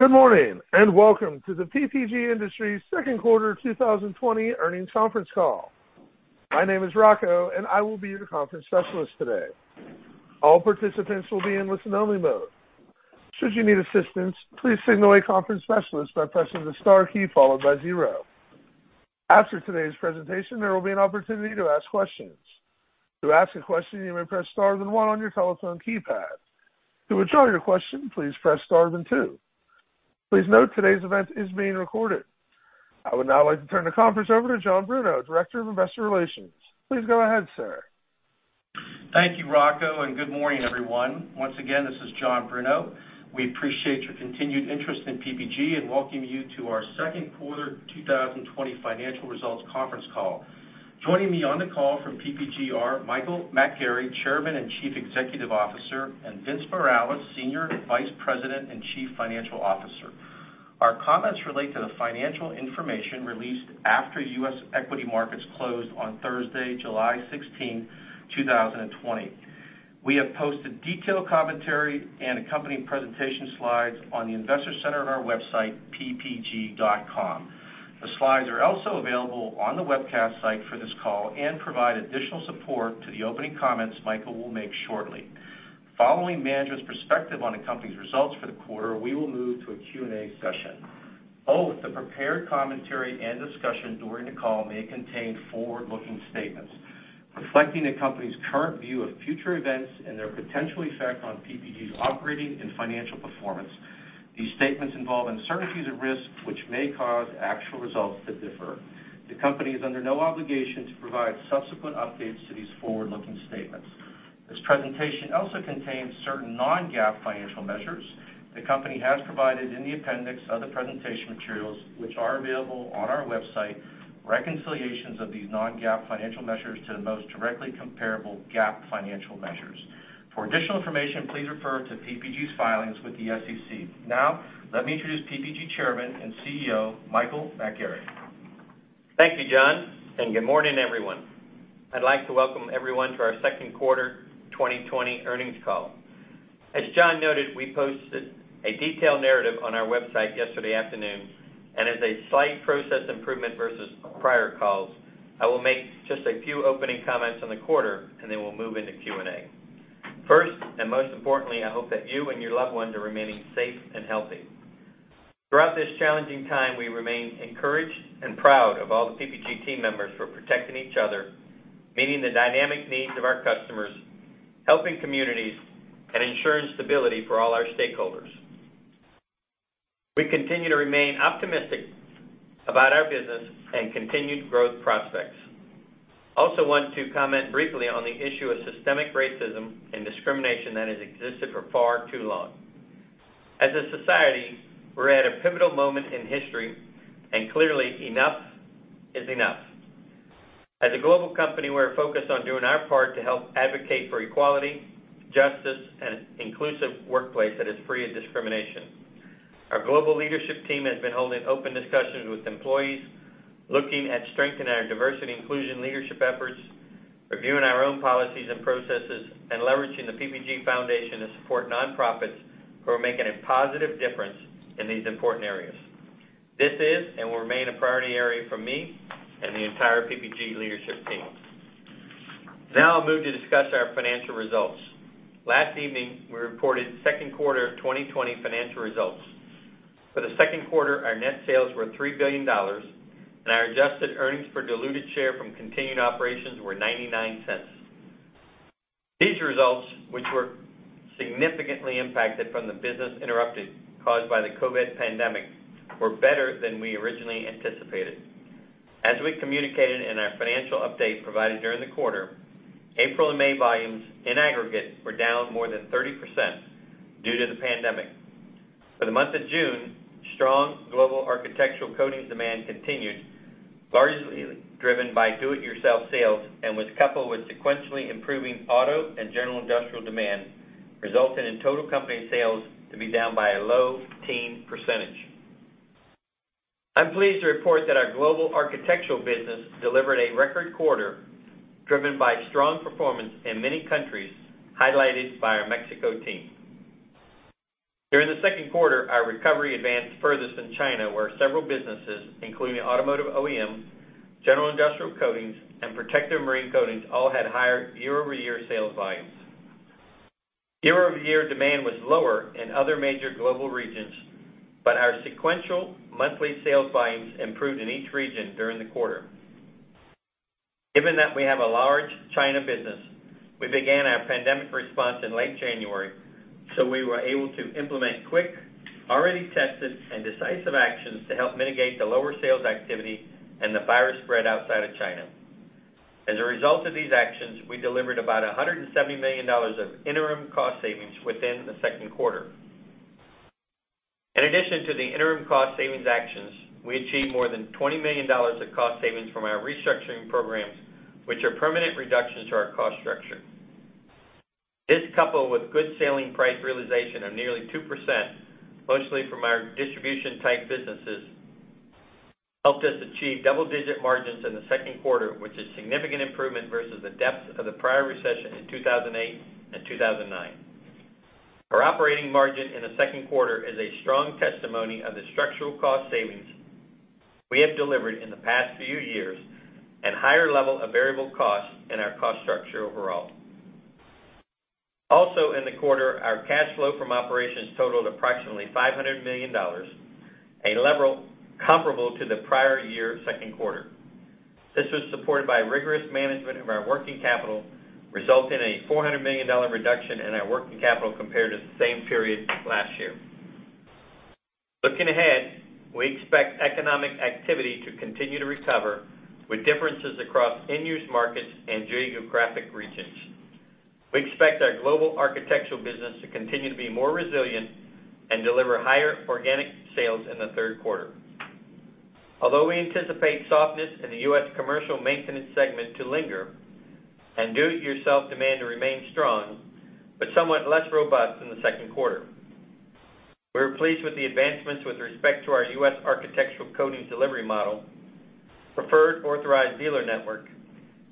Good morning, and welcome to the PPG Industries second quarter 2020 earnings conference call. My name is Rocco, and I will be your conference specialist today. All participants will be in listen only mode. Should you need assistance, please signal a conference specialist by pressing the star key followed by zero. After today's presentation, there will be an opportunity to ask questions. To ask a question, you may press star then one on your telephone keypad. To withdraw your question, please press star then two. Please note today's event is being recorded. I would now like to turn the conference over to John Bruno, Director of Investor Relations. Please go ahead, sir. Thank you, Rocco, and good morning, everyone. Once again, this is John Bruno. We appreciate your continued interest in PPG and welcome you to our second quarter 2020 financial results conference call. Joining me on the call from PPG are Michael McGarry, Chairman and Chief Executive Officer, and Vince Morales, Senior Vice President and Chief Financial Officer. Our comments relate to the financial information released after U.S. equity markets closed on Thursday, July 16, 2020. We have posted detailed commentary and accompanying presentation slides on the investor center on our website, ppg.com. The slides are also available on the webcast site for this call and provide additional support to the opening comments Michael will make shortly. Following management's perspective on the company's results for the quarter, we will move to a Q&A session. Both the prepared commentary and discussion during the call may contain forward-looking statements reflecting the company's current view of future events and their potential effect on PPG's operating and financial performance. These statements involve uncertainties and risks which may cause actual results to differ. The company is under no obligation to provide subsequent updates to these forward-looking statements. This presentation also contains certain non-GAAP financial measures. The company has provided in the appendix of the presentation materials, which are available on our website, reconciliations of these non-GAAP financial measures to the most directly comparable GAAP financial measures. For additional information, please refer to PPG's filings with the SEC. Let me introduce PPG Chairman and CEO, Michael McGarry. Thank you, John. Good morning, everyone. I'd like to welcome everyone to our second quarter 2020 earnings call. As John noted, we posted a detailed narrative on our website yesterday afternoon, and as a slight process improvement versus prior calls, I will make just a few opening comments on the quarter, and then we'll move into Q&A. First, and most importantly, I hope that you and your loved ones are remaining safe and healthy. Throughout this challenging time, we remain encouraged and proud of all the PPG team members for protecting each other, meeting the dynamic needs of our customers, helping communities, and ensuring stability for all our stakeholders. We continue to remain optimistic about our business and continued growth prospects. Also want to comment briefly on the issue of systemic racism and discrimination that has existed for far too long. As a society, we're at a pivotal moment in history, and clearly enough is enough. As a global company, we're focused on doing our part to help advocate for equality, justice, and inclusive workplace that is free of discrimination. Our global leadership team has been holding open discussions with employees, looking at strengthening our diversity inclusion leadership efforts, reviewing our own policies and processes, and leveraging the PPG Foundation to support nonprofits who are making a positive difference in these important areas. This is and will remain a priority area for me and the entire PPG leadership team. Now I'll move to discuss our financial results. Last evening, we reported second quarter 2020 financial results. For the second quarter, our net sales were $3 billion, and our adjusted earnings per diluted share from continued operations were $0.99. These results, which were significantly impacted from the business interruption caused by the COVID pandemic, were better than we originally anticipated. As we communicated in our financial update provided during the quarter, April and May volumes in aggregate were down more than 30% due to the pandemic. For the month of June, strong global architectural coatings demand continued, largely driven by do-it-yourself sales and was coupled with sequentially improving auto and general industrial demand, resulting in total company sales to be down by a low teen percentage. I'm pleased to report that our global architectural business delivered a record quarter driven by strong performance in many countries, highlighted by our Mexico team. During the second quarter, our recovery advanced furthest in China, where several businesses, including automotive OEMs, general industrial coatings, and protective marine coatings, all had higher year-over-year sales volumes. Year-over-year demand was lower in other major global regions, but our sequential monthly sales volumes improved in each region during the quarter. Given that we have a large China business, we began our pandemic response in late January, so we were able to implement quick, already tested, and decisive actions to help mitigate the lower sales activity and the virus spread outside of China. As a result of these actions, we delivered about $170 million of interim cost savings within the second quarter. In addition to the interim cost savings actions, we achieved more than $20 million of cost savings from our restructuring programs, which are permanent reductions to our cost structure. This, coupled with good selling price realization of nearly 2%, mostly from our distribution type businesses helped us achieve double-digit margins in the second quarter, which is significant improvement versus the depth of the prior recession in 2008 and 2009. Our operating margin in the second quarter is a strong testimony of the structural cost savings we have delivered in the past few years and higher level of variable costs in our cost structure overall. Also in the quarter, our cash flow from operations totaled approximately $500 million, a level comparable to the prior year second quarter. This was supported by rigorous management of our working capital, resulting in a $400 million reduction in our working capital compared to the same period last year. Looking ahead, we expect economic activity to continue to recover with differences across end-use markets and geographic regions. We expect our global architectural business to continue to be more resilient and deliver higher organic sales in the third quarter. We anticipate softness in the U.S. commercial maintenance segment to linger and do-it-yourself demand to remain strong, but somewhat less robust than the second quarter. We are pleased with the advancements with respect to our U.S. architectural coatings delivery model, preferred authorized dealer network,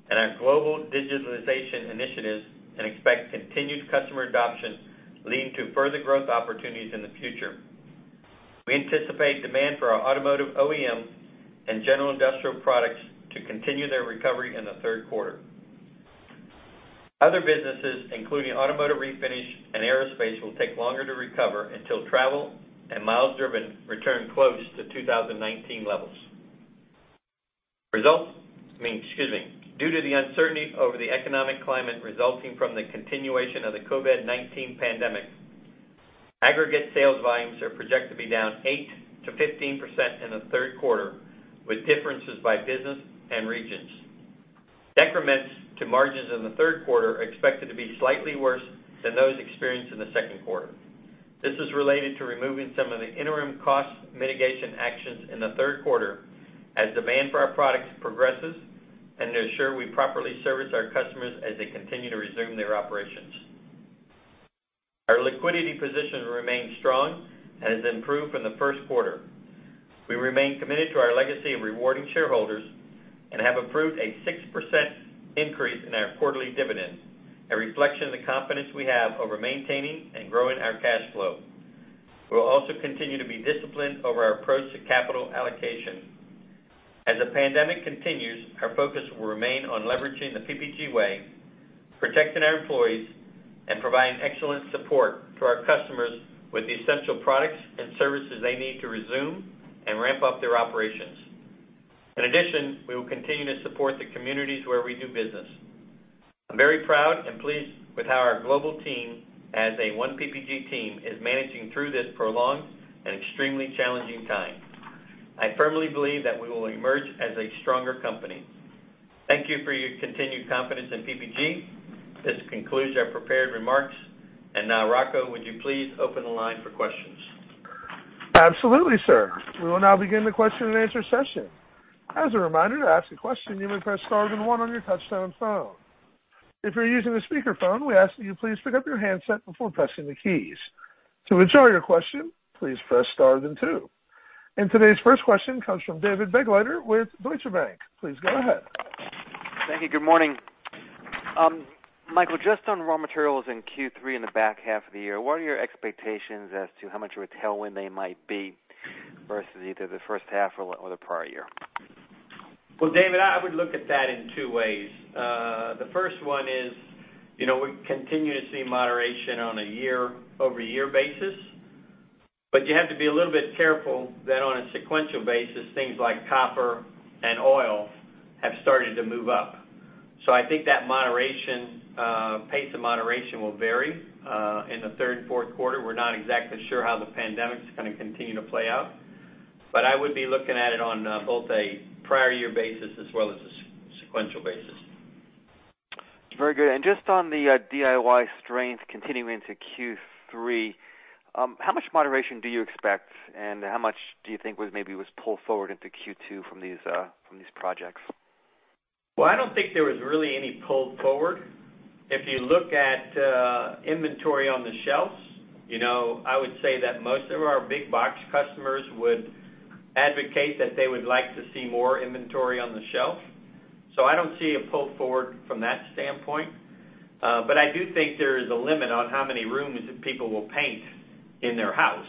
and our global digitalization initiatives and expect continued customer adoption, leading to further growth opportunities in the future. We anticipate demand for our automotive OEM and general industrial products to continue their recovery in the third quarter. Other businesses, including automotive refinish and aerospace, will take longer to recover until travel and miles driven return close to 2019 levels. Excuse me. Due to the uncertainty over the economic climate resulting from the continuation of the COVID-19 pandemic, aggregate sales volumes are projected to be down 8%-15% in the third quarter, with differences by business and regions. Decrements to margins in the third quarter are expected to be slightly worse than those experienced in the second quarter. This is related to removing some of the interim cost mitigation actions in the third quarter as demand for our products progresses and to ensure we properly service our customers as they continue to resume their operations. Our liquidity position remains strong and has improved from the first quarter. We remain committed to our legacy of rewarding shareholders and have approved a 6% increase in our quarterly dividend, a reflection of the confidence we have over maintaining and growing our cash flow. We will also continue to be disciplined over our approach to capital allocation. As the pandemic continues, our focus will remain on leveraging The PPG Way, protecting our employees, and providing excellent support to our customers with the essential products and services they need to resume and ramp up their operations. In addition, we will continue to support the communities where we do business. I'm very proud and pleased with how our global team, as a one PPG team, is managing through this prolonged and extremely challenging time. I firmly believe that we will emerge as a stronger company. Thank you for your continued confidence in PPG. This concludes our prepared remarks. Now, Rocco, would you please open the line for questions? Absolutely, sir. We will now begin the question and answer session. As a reminder, to ask a question, you may press star then one on your touchtone phone. If you're using a speakerphone, we ask that you please pick up your handset before pressing the keys. To withdraw your question, please press star then two. Today's first question comes from David Begleiter with Deutsche Bank. Please go ahead. Thank you. Good morning. Michael, just on raw materials in Q3 in the back half of the year, what are your expectations as to how much of a tailwind they might be versus either the first half or the prior year? Well, David, I would look at that in two ways. The first one is, we continue to see moderation on a year-over-year basis, but you have to be a little bit careful that on a sequential basis, things like copper and oil have started to move up. I think that pace of moderation will vary in the third and fourth quarter. We're not exactly sure how the pandemic is going to continue to play out, but I would be looking at it on both a prior year basis as well as a sequential basis. Very good. Just on the DIY strength continuing into Q3, how much moderation do you expect, and how much do you think maybe was pulled forward into Q2 from these projects? Well, I don't think there was really any pull forward. If you look at inventory on the shelves, I would say that most of our big box customers would advocate that they would like to see more inventory on the shelf. I don't see a pull forward from that standpoint. I do think there is a limit on how many rooms that people will paint in their house.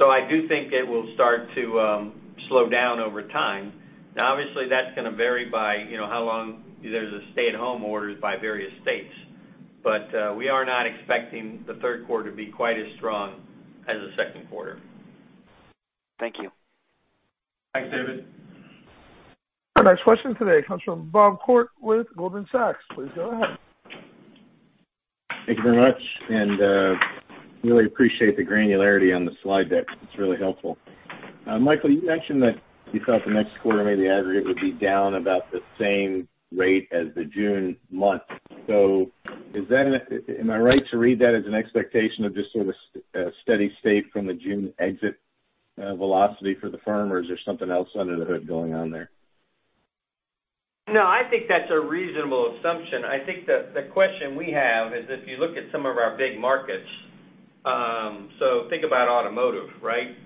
I do think it will start to slow down over time. Obviously, that's going to vary by how long there's a stay-at-home orders by various states. We are not expecting the third quarter to be quite as strong as the second quarter. Thank you. Thanks, David. Our next question today comes from Bob Koort with Goldman Sachs. Please go ahead. Thank you very much. Really appreciate the granularity on the slide deck. It's really helpful. Michael, you mentioned that you thought the next quarter, maybe aggregate would be down about the same rate as the June month. Am I right to read that as an expectation of just sort of a steady state from the June exit velocity for the firm, or is there something else under the hood going on there? No, I think that's a reasonable assumption. I think that the question we have is if you look at some of our big markets, think about automotive, right?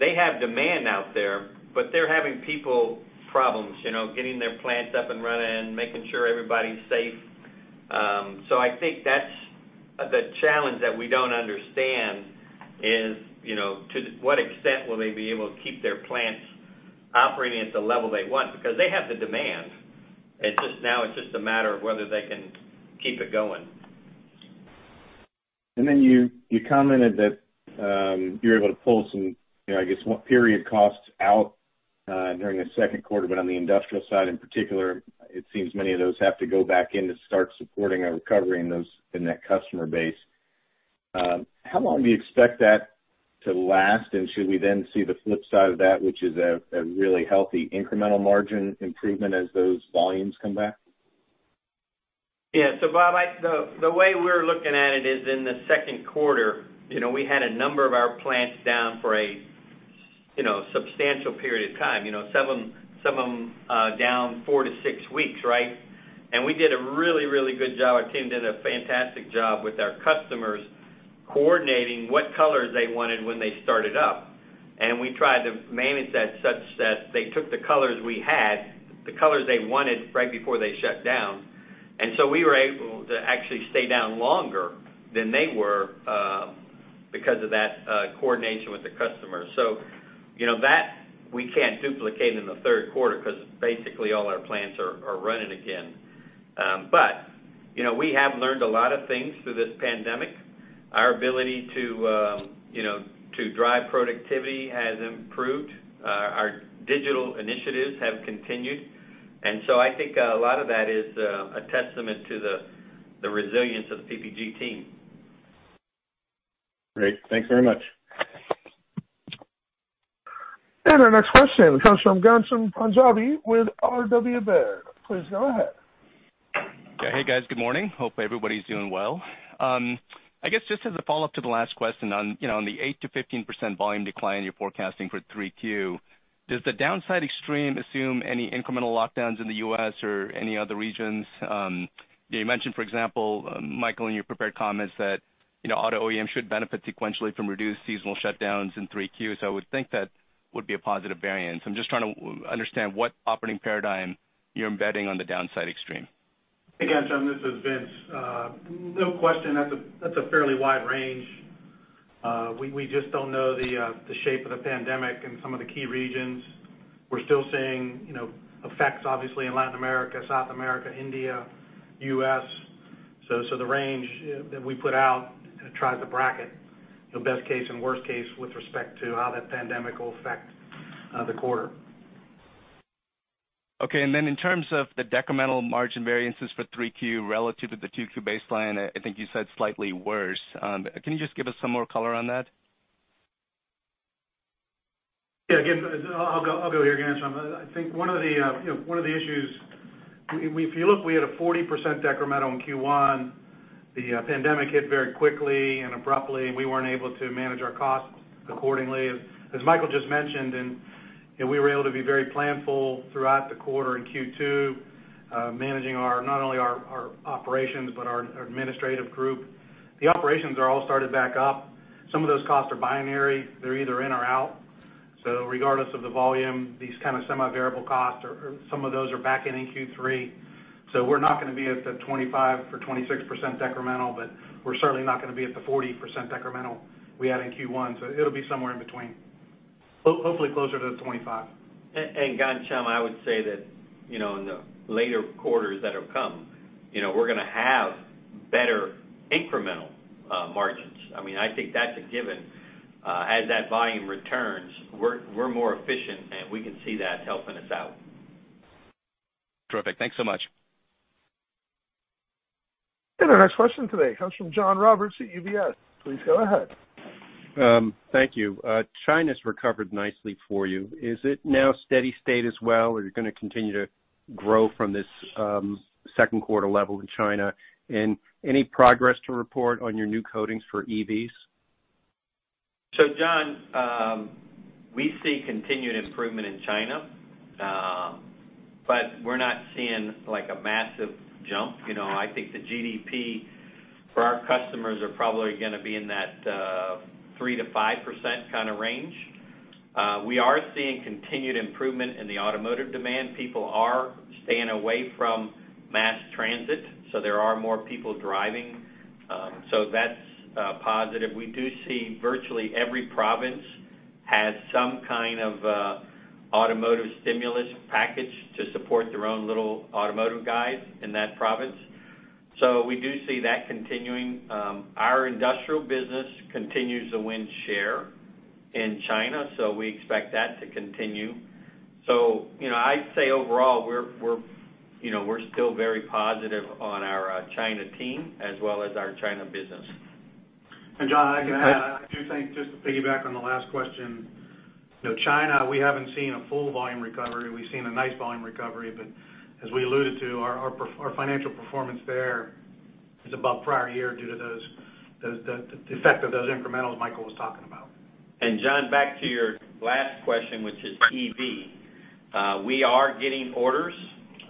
They have demand out there, they're having people problems, getting their plants up and running, making sure everybody's safe. I think that's the challenge that we don't understand is, to what extent will they be able to keep their plants operating at the level they want? Because they have the demand. Now it's just a matter of whether they can keep it going. You commented that you're able to pull some, I guess, period costs out during the second quarter. On the industrial side in particular, it seems many of those have to go back in to start supporting a recovery in that customer base. How long do you expect that to last? Should we then see the flip side of that, which is a really healthy incremental margin improvement as those volumes come back? Yeah. Bob, the way we're looking at it is in the second quarter, we had a number of our plants down for a substantial period of time. Some of them down four to six weeks, right? We did a really, really good job. Our team did a fantastic job with our customers coordinating what colors they wanted when they started up. We tried to manage that such that they took the colors we had, the colors they wanted right before they shut down. We were able to actually stay down longer than they were because of that coordination with the customer. That we can't duplicate in the third quarter because basically all our plants are running again. We have learned a lot of things through this pandemic. Our ability to drive productivity has improved. Our digital initiatives have continued. I think a lot of that is a testament to the resilience of the PPG team. Great. Thanks very much. Our next question comes from Ghansham Panjabi with RW Baird. Please go ahead. Hey, guys. Good morning. Hope everybody's doing well. I guess just as a follow-up to the last question on the 8%-15% volume decline you're forecasting for 3Q, does the downside extreme assume any incremental lockdowns in the U.S. or any other regions? You mentioned, for example, Michael, in your prepared comments that auto OEM should benefit sequentially from reduced seasonal shutdowns in 3Q. I would think that would be a positive variance. I'm just trying to understand what operating paradigm you're embedding on the downside extreme. Hey, Ghansham. This is Vince. No question, that's a fairly wide range. We just don't know the shape of the pandemic in some of the key regions. We're still seeing effects, obviously, in Latin America, South America, India, U.S. The range that we put out tries to bracket the best case and worst case with respect to how that pandemic will affect the quarter. Okay. In terms of the decremental margin variances for 3Q relative to the 2Q baseline, I think you said slightly worse. Can you just give us some more color on that? Yeah. Again, I'll go here, Ghansham. I think one of the issues, if you look, we had a 40% decremental in Q1. The pandemic hit very quickly and abruptly, we weren't able to manage our costs accordingly. As Michael just mentioned, we were able to be very planful throughout the quarter in Q2, managing not only our operations, but our administrative group. The operations are all started back up. Some of those costs are binary. They're either in or out. Regardless of the volume, these kind of semi-variable costs, some of those are back in in Q3. We're not going to be at the 25% or 26% decremental, we're certainly not going to be at the 40% decremental we had in Q1. It'll be somewhere in between. Hopefully closer to the 25. Ghansham, I would say that in the later quarters that have come, we're going to have better incremental margins. I think that's a given. As that volume returns, we're more efficient, and we can see that helping us out. Terrific. Thanks so much. Our next question today comes from John Roberts at UBS. Please go ahead. Thank you. China's recovered nicely for you. Is it now steady state as well? Are you going to continue to grow from this second quarter level in China? Any progress to report on your new coatings for EVs? John, we see continued improvement in China, but we're not seeing, like, a massive jump. I think the GDP for our customers are probably going to be in that 3%-5% kind of range. We are seeing continued improvement in the automotive demand. People are staying away from mass transit, so there are more people driving. That's positive. We do see virtually every province has some kind of automotive stimulus package to support their own little automotive guys in that province. We do see that continuing. Our industrial business continues to win share in China, so we expect that to continue. I'd say overall, we're still very positive on our China team as well as our China business. John, I can add, I do think, just to piggyback on the last question, China, we haven't seen a full volume recovery. We've seen a nice volume recovery, but as we alluded to, our financial performance there is above prior year due to the effect of those incrementals Michael was talking about. John, back to your last question, which is EV. We are getting orders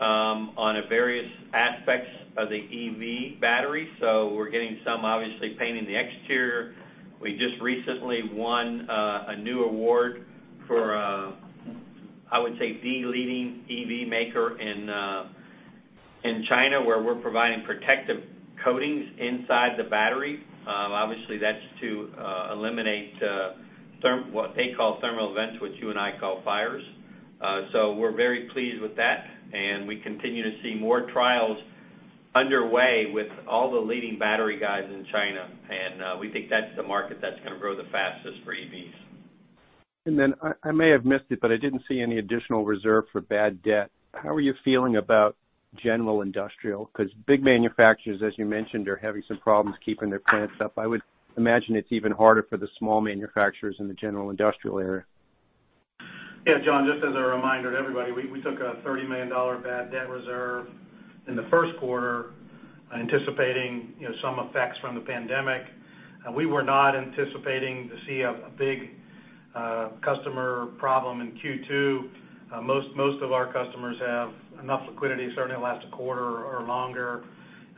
on various aspects of the EV battery. We're getting some obviously painting the exterior. We just recently won a new award for, I would say, the leading EV maker in China, where we're providing protective coatings inside the battery. Obviously, that's to eliminate what they call thermal events, which you and I call fires. We're very pleased with that, and we continue to see more trials underway with all the leading battery guys in China. We think that's the market that's going to grow the fastest for EVs. I may have missed it, but I didn't see any additional reserve for bad debt. How are you feeling about general industrial? Big manufacturers, as you mentioned, are having some problems keeping their plants up. I would imagine it's even harder for the small manufacturers in the general industrial area. John, just as a reminder to everybody, we took a $30 million bad debt reserve in the first quarter, anticipating some effects from the pandemic. We were not anticipating to see a big customer problem in Q2. Most of our customers have enough liquidity, certainly to last a quarter or longer.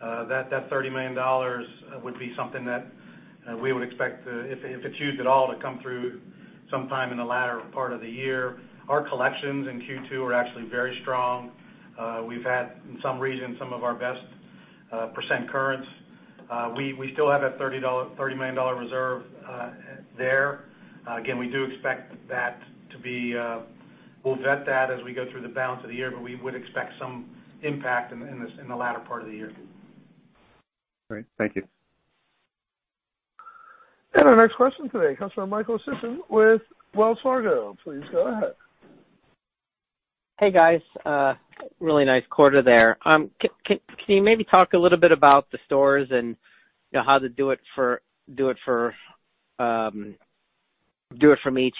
That $30 million would be something that we would expect, if it's used at all, to come through sometime in the latter part of the year. Our collections in Q2 are actually very strong. We've had, in some regions, some of our best percent currents. We still have that $30 million reserve there. Again, we'll vet that as we go through the balance of the year, but we would expect some impact in the latter part of the year. Great. Thank you. Our next question today comes from Michael Sison with Wells Fargo. Please go ahead. Hey, guys. Really nice quarter there. Can you maybe talk a little bit about the stores and how the do-it-for-me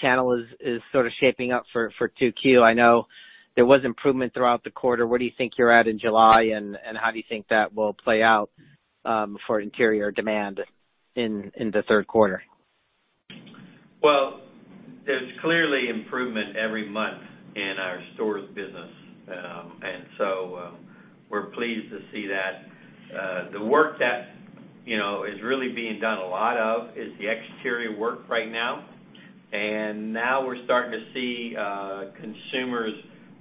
channel is sort of shaping up for 2Q? I know there was improvement throughout the quarter. Where do you think you're at in July, and how do you think that will play out for interior demand in the third quarter? Well, there's clearly improvement every month in our stores business. We're pleased to see that. The work that is really being done a lot of is the exterior work right now. Now we're starting to see consumers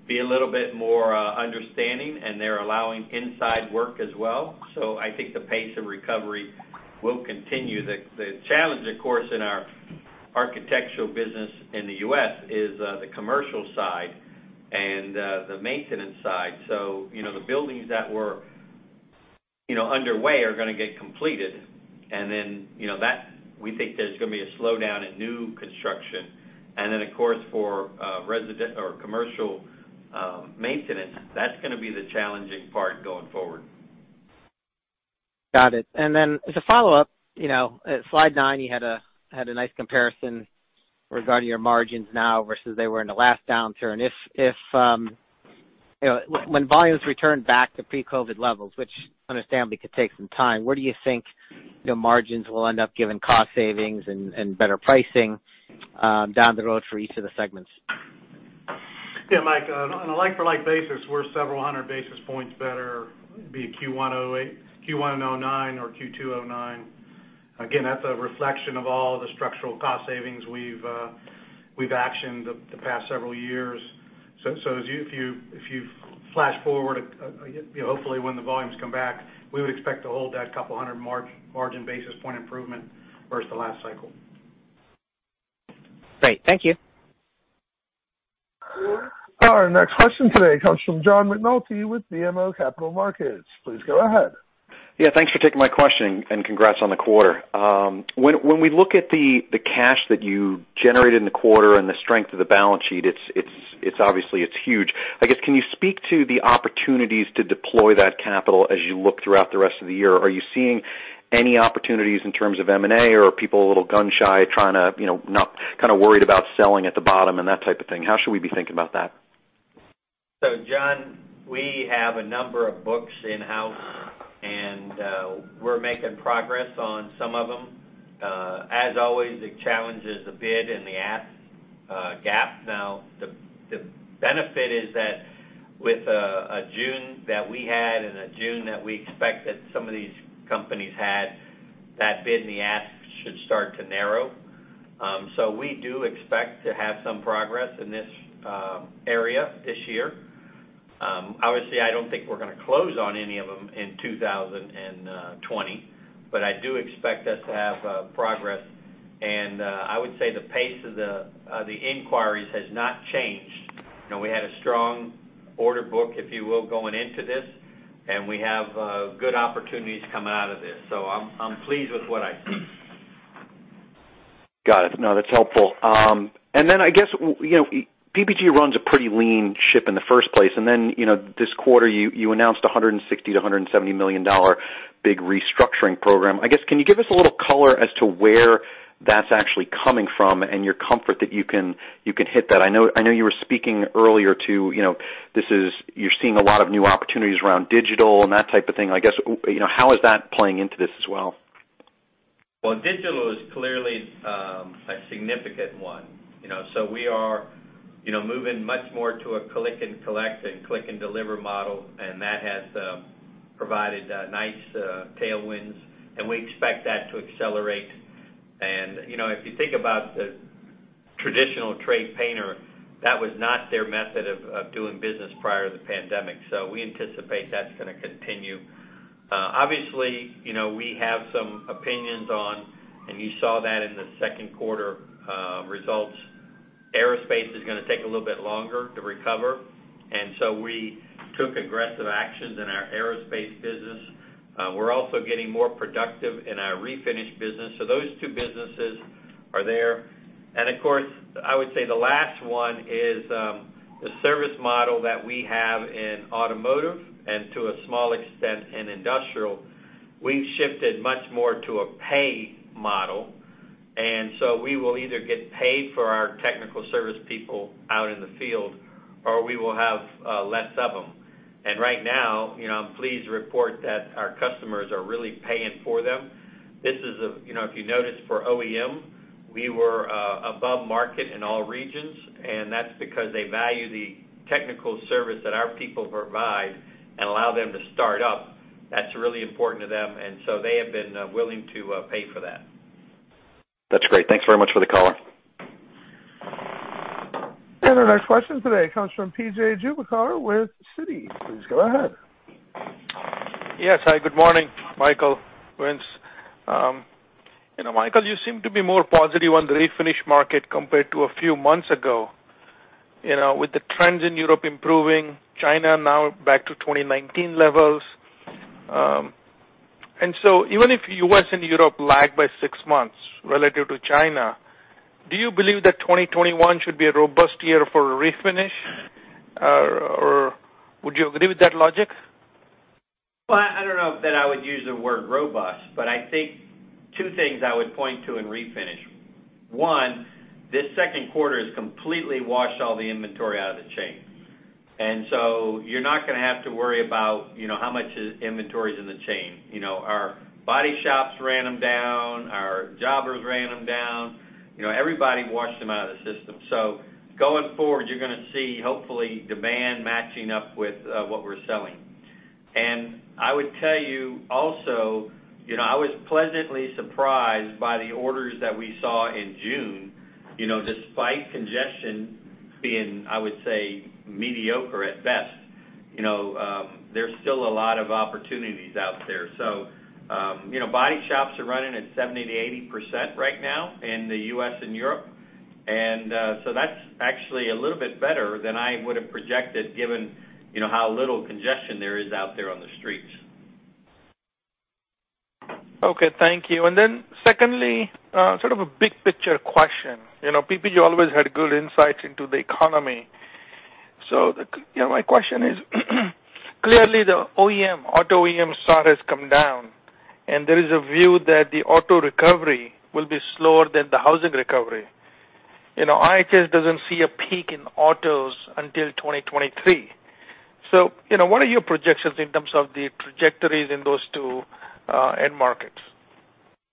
be a little bit more understanding, and they're allowing inside work as well. I think the pace of recovery will continue. The challenge, of course, in our architectural business in the U.S. is the commercial side and the maintenance side. The buildings that were underway are going to get completed. We think there's going to be a slowdown in new construction. Of course, for commercial maintenance, that's going to be the challenging part going forward. Got it. As a follow-up, at slide nine, you had a nice comparison regarding your margins now versus they were in the last downturn. When volumes return back to pre-COVID levels, which understandably could take some time, where do you think margins will end up given cost savings and better pricing down the road for each of the segments? Yeah, Michael, on a like-for-like basis, we're several hundred basis points better, be it Q1 2009 or Q2 2009. That's a reflection of all the structural cost savings we've actioned the past several years. If you flash forward, hopefully when the volumes come back, we would expect to hold that couple of hundred margin basis point improvement versus the last cycle. Great. Thank you. Our next question today comes from John McNulty with BMO Capital Markets. Please go ahead. Yeah, thanks for taking my question, and congrats on the quarter. When we look at the cash that you generated in the quarter and the strength of the balance sheet, obviously it's huge. I guess, can you speak to the opportunities to deploy that capital as you look throughout the rest of the year? Are you seeing any opportunities in terms of M&A or are people a little gun-shy, kind of worried about selling at the bottom and that type of thing? How should we be thinking about that? John, we have a number of books in house, and we're making progress on some of them. As always, the challenge is the bid and the ask gap. The benefit is that with a June that we had and a June that we expect that some of these companies had, that bid and the ask should start to narrow. We do expect to have some progress in this area this year. Obviously, I don't think we're going to close on any of them in 2020. I do expect us to have progress. I would say the pace of the inquiries has not changed. We had a strong order book, if you will, going into this, and we have good opportunities coming out of this. I'm pleased with what I see. Got it. No, that's helpful. I guess PPG runs a pretty lean ship in the first place. This quarter you announced a $160 million-$170 million big restructuring program. I guess, can you give us a little color as to where that's actually coming from and your comfort that you can hit that. I know you were speaking earlier too, you're seeing a lot of new opportunities around digital and that type of thing. How is that playing into this as well? Well, digital is clearly a significant one. We are moving much more to a click and collect and click and deliver model, and that has provided nice tailwinds, and we expect that to accelerate. If you think about the traditional trade painter, that was not their method of doing business prior to the pandemic. We anticipate that's going to continue. Obviously, we have some opinions on, and you saw that in the second quarter results, aerospace is going to take a little bit longer to recover, we took aggressive actions in our aerospace business. We're also getting more productive in our refinish business. Those two businesses are there. Of course, I would say the last one is the service model that we have in automotive and to a small extent, in industrial. We've shifted much more to a pay model. We will either get paid for our technical service people out in the field, or we will have less of them. Right now, I'm pleased to report that our customers are really paying for them. If you notice for OEM, we were above market in all regions. That's because they value the technical service that our people provide and allow them to start up. That's really important to them. They have been willing to pay for that. That's great. Thanks very much for the color. Our next question today comes from P.J. Juvekar with Citi. Please go ahead. Yes. Hi, good morning, Michael, Vince. Michael, you seem to be more positive on the refinish market compared to a few months ago. With the trends in Europe improving, China now back to 2019 levels. Even if U.S. and Europe lag by six months relative to China, do you believe that 2021 should be a robust year for refinish? Would you agree with that logic? Well, I don't know that I would use the word robust, but I think two things I would point to in refinish. One, this second quarter has completely washed all the inventory out of the chain. You're not going to have to worry about how much inventory is in the chain. Our body shops ran them down, our jobbers ran them down. Everybody washed them out of the system. Going forward, you're going to see, hopefully, demand matching up with what we're selling. I would tell you also, I was pleasantly surprised by the orders that we saw in June. Despite congestion being, I would say, mediocre at best, there's still a lot of opportunities out there. Body shops are running at 70%-80% right now in the U.S. and Europe. That's actually a little bit better than I would have projected given how little congestion there is out there on the streets. Okay. Thank you. Secondly, sort of a big picture question. PPG always had good insights into the economy. My question is clearly the auto OEM stock has come down, and there is a view that the auto recovery will be slower than the housing recovery. IHS doesn't see a peak in autos until 2023. What are your projections in terms of the trajectories in those two end markets?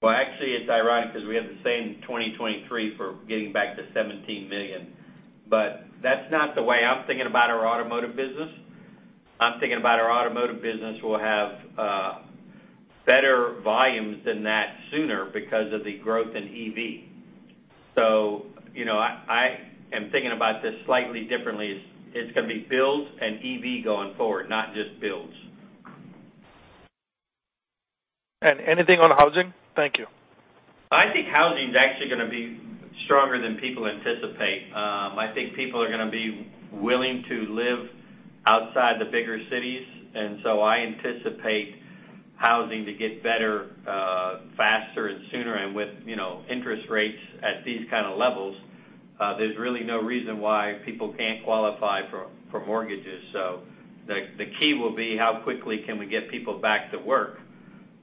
Well, actually, it's ironic because we have the same 2023 for getting back to 17 million. That's not the way I'm thinking about our automotive business. I'm thinking about our automotive business will have better volumes than that sooner because of the growth in EV. I am thinking about this slightly differently. It's going to be builds and EV going forward, not just builds. Anything on housing? Thank you. I think housing is actually going to be stronger than people anticipate. I think people are going to be willing to live outside the bigger cities, and so I anticipate housing to get better, faster, and sooner. With interest rates at these kind of levels, there's really no reason why people can't qualify for mortgages. The key will be how quickly can we get people back to work.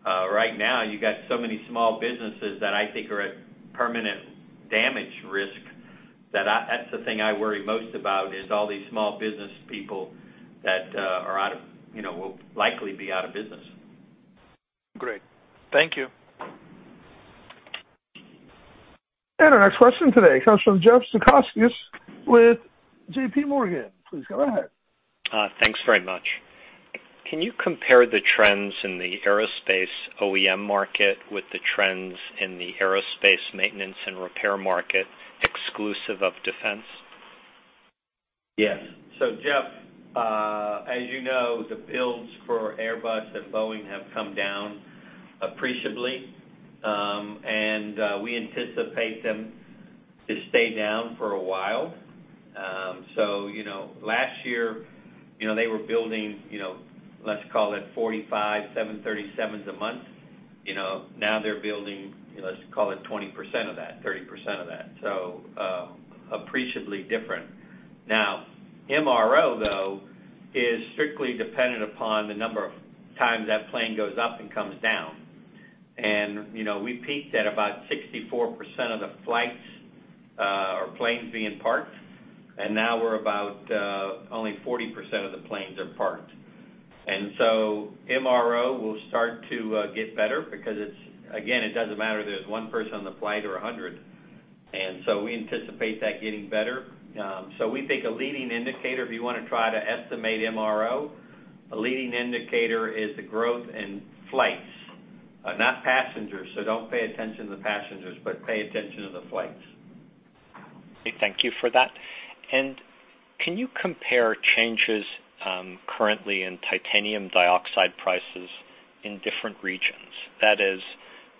Right now, you got so many small businesses that I think are at permanent damage risk that that's the thing I worry most about, is all these small business people that will likely be out of business. Great. Thank you. Our next question today comes from Jeff Zekauskas with JPMorgan. Please go ahead. Thanks very much. Can you compare the trends in the aerospace OEM market with the trends in the aerospace maintenance and repair market exclusive of defense? Yes. Jeff, as you know, the builds for Airbus and Boeing have come down appreciably, and we anticipate them to stay down for a while. Last year, they were building, let's call it 45 737s a month. Now they're building, let's call it 20% of that, 30% of that. Appreciably different. Now MRO though is strictly dependent upon the number of times that plane goes up and comes down. We peaked at about 64% of the flights or planes being parked, and now we're about only 40% of the planes are parked. MRO will start to get better because, again, it doesn't matter if there's one person on the flight or 100. We anticipate that getting better. We think a leading indicator, if you want to try to estimate MRO, a leading indicator is the growth in flights. Not passengers. Don't pay attention to the passengers, but pay attention to the flights. Thank you for that. Can you compare changes currently in titanium dioxide prices in different regions? That is,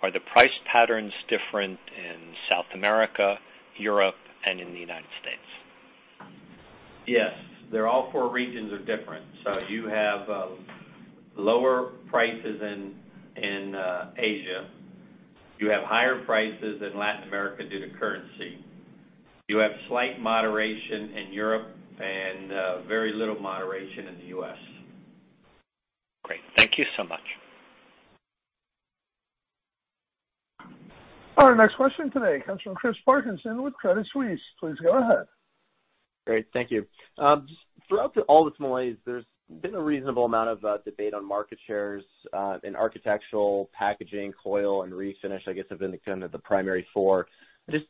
are the price patterns different in South America, Europe, and in the United States? Yes. All four regions are different. You have lower prices in Asia. You have higher prices in Latin America due to currency. You have slight moderation in Europe and very little moderation in the U.S. Great. Thank you so much. Our next question today comes from Chris Parkinson with Credit Suisse. Please go ahead. Great. Thank you. Just throughout all this malaise, there's been a reasonable amount of debate on market shares in architectural, packaging, coil and refinish, I guess, have been kind of the primary four. Just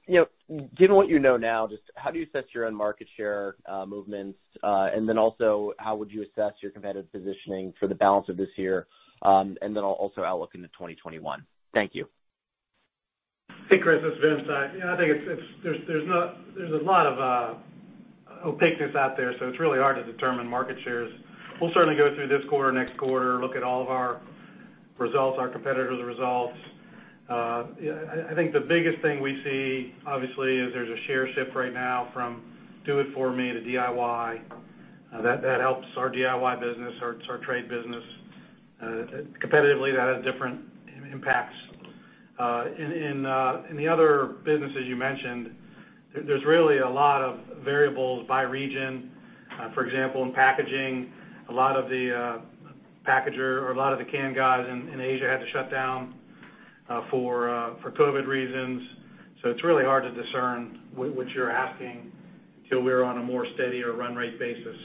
given what you know now, just how do you assess your own market share movements? How would you assess your competitive positioning for the balance of this year? Outlook into 2021. Thank you. Hey, Chris, it's Vince. I think there's a lot of opaqueness out there, so it's really hard to determine market shares. We'll certainly go through this quarter, next quarter, look at all of our results, our competitors' results. I think the biggest thing we see, obviously, is there's a share shift right now from do-it-for-me to DIY. That helps our DIY business, our trade business. Competitively, that has different impacts. In the other businesses you mentioned, there's really a lot of variables by region. For example, in packaging, a lot of the packager or a lot of the can guys in Asia had to shut down for COVID reasons. It's really hard to discern what you're asking till we're on a more steadier run rate basis.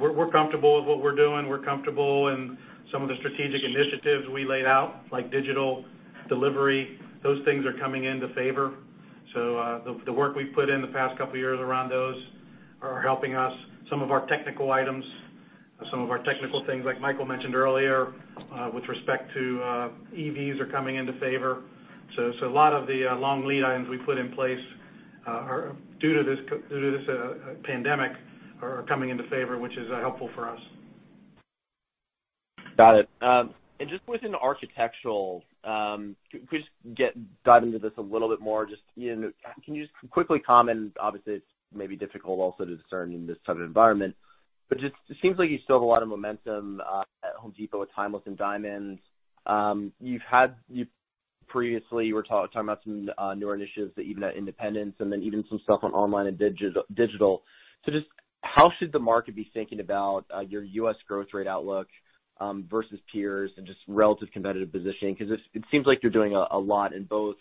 We're comfortable with what we're doing. We're comfortable in some of the strategic initiatives we laid out, like digital delivery. Those things are coming into favor. The work we've put in the past couple of years around those are helping us. Some of our technical items, some of our technical things, like Michael mentioned earlier, with respect to EVs are coming into favor. A lot of the long lead items we put in place due to this pandemic are coming into favor, which is helpful for us. Got it. Just within architectural, could you please dive into this a little bit more? Can you just quickly comment, obviously it's maybe difficult also to discern in this type of environment, but just it seems like you still have a lot of momentum at The Home Depot with TIMELESS and Diamond. Previously, you were talking about some newer initiatives that even at independents and then even some stuff on online and digital. Just how should the market be thinking about your U.S. growth rate outlook versus peers and just relative competitive positioning? Because it seems like you're doing a lot in both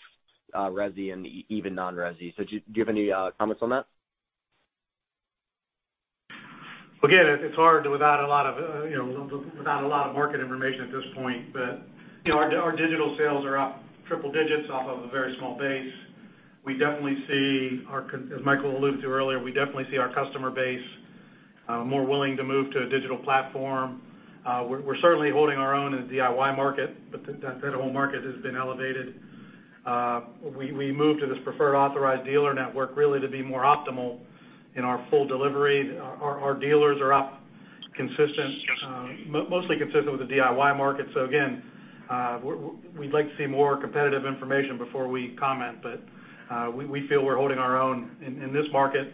resi and even non-resi. Do you have any comments on that? Again, it's hard without a lot of market information at this point. Our digital sales are up triple digits off of a very small base. As Michael alluded to earlier, we definitely see our customer base more willing to move to a digital platform. We're certainly holding our own in the DIY market, but that whole market has been elevated. We moved to this preferred authorized dealer network really to be more optimal in our full delivery. Our dealers are up mostly consistent with the DIY market. Again, we'd like to see more competitive information before we comment, but we feel we're holding our own in this market.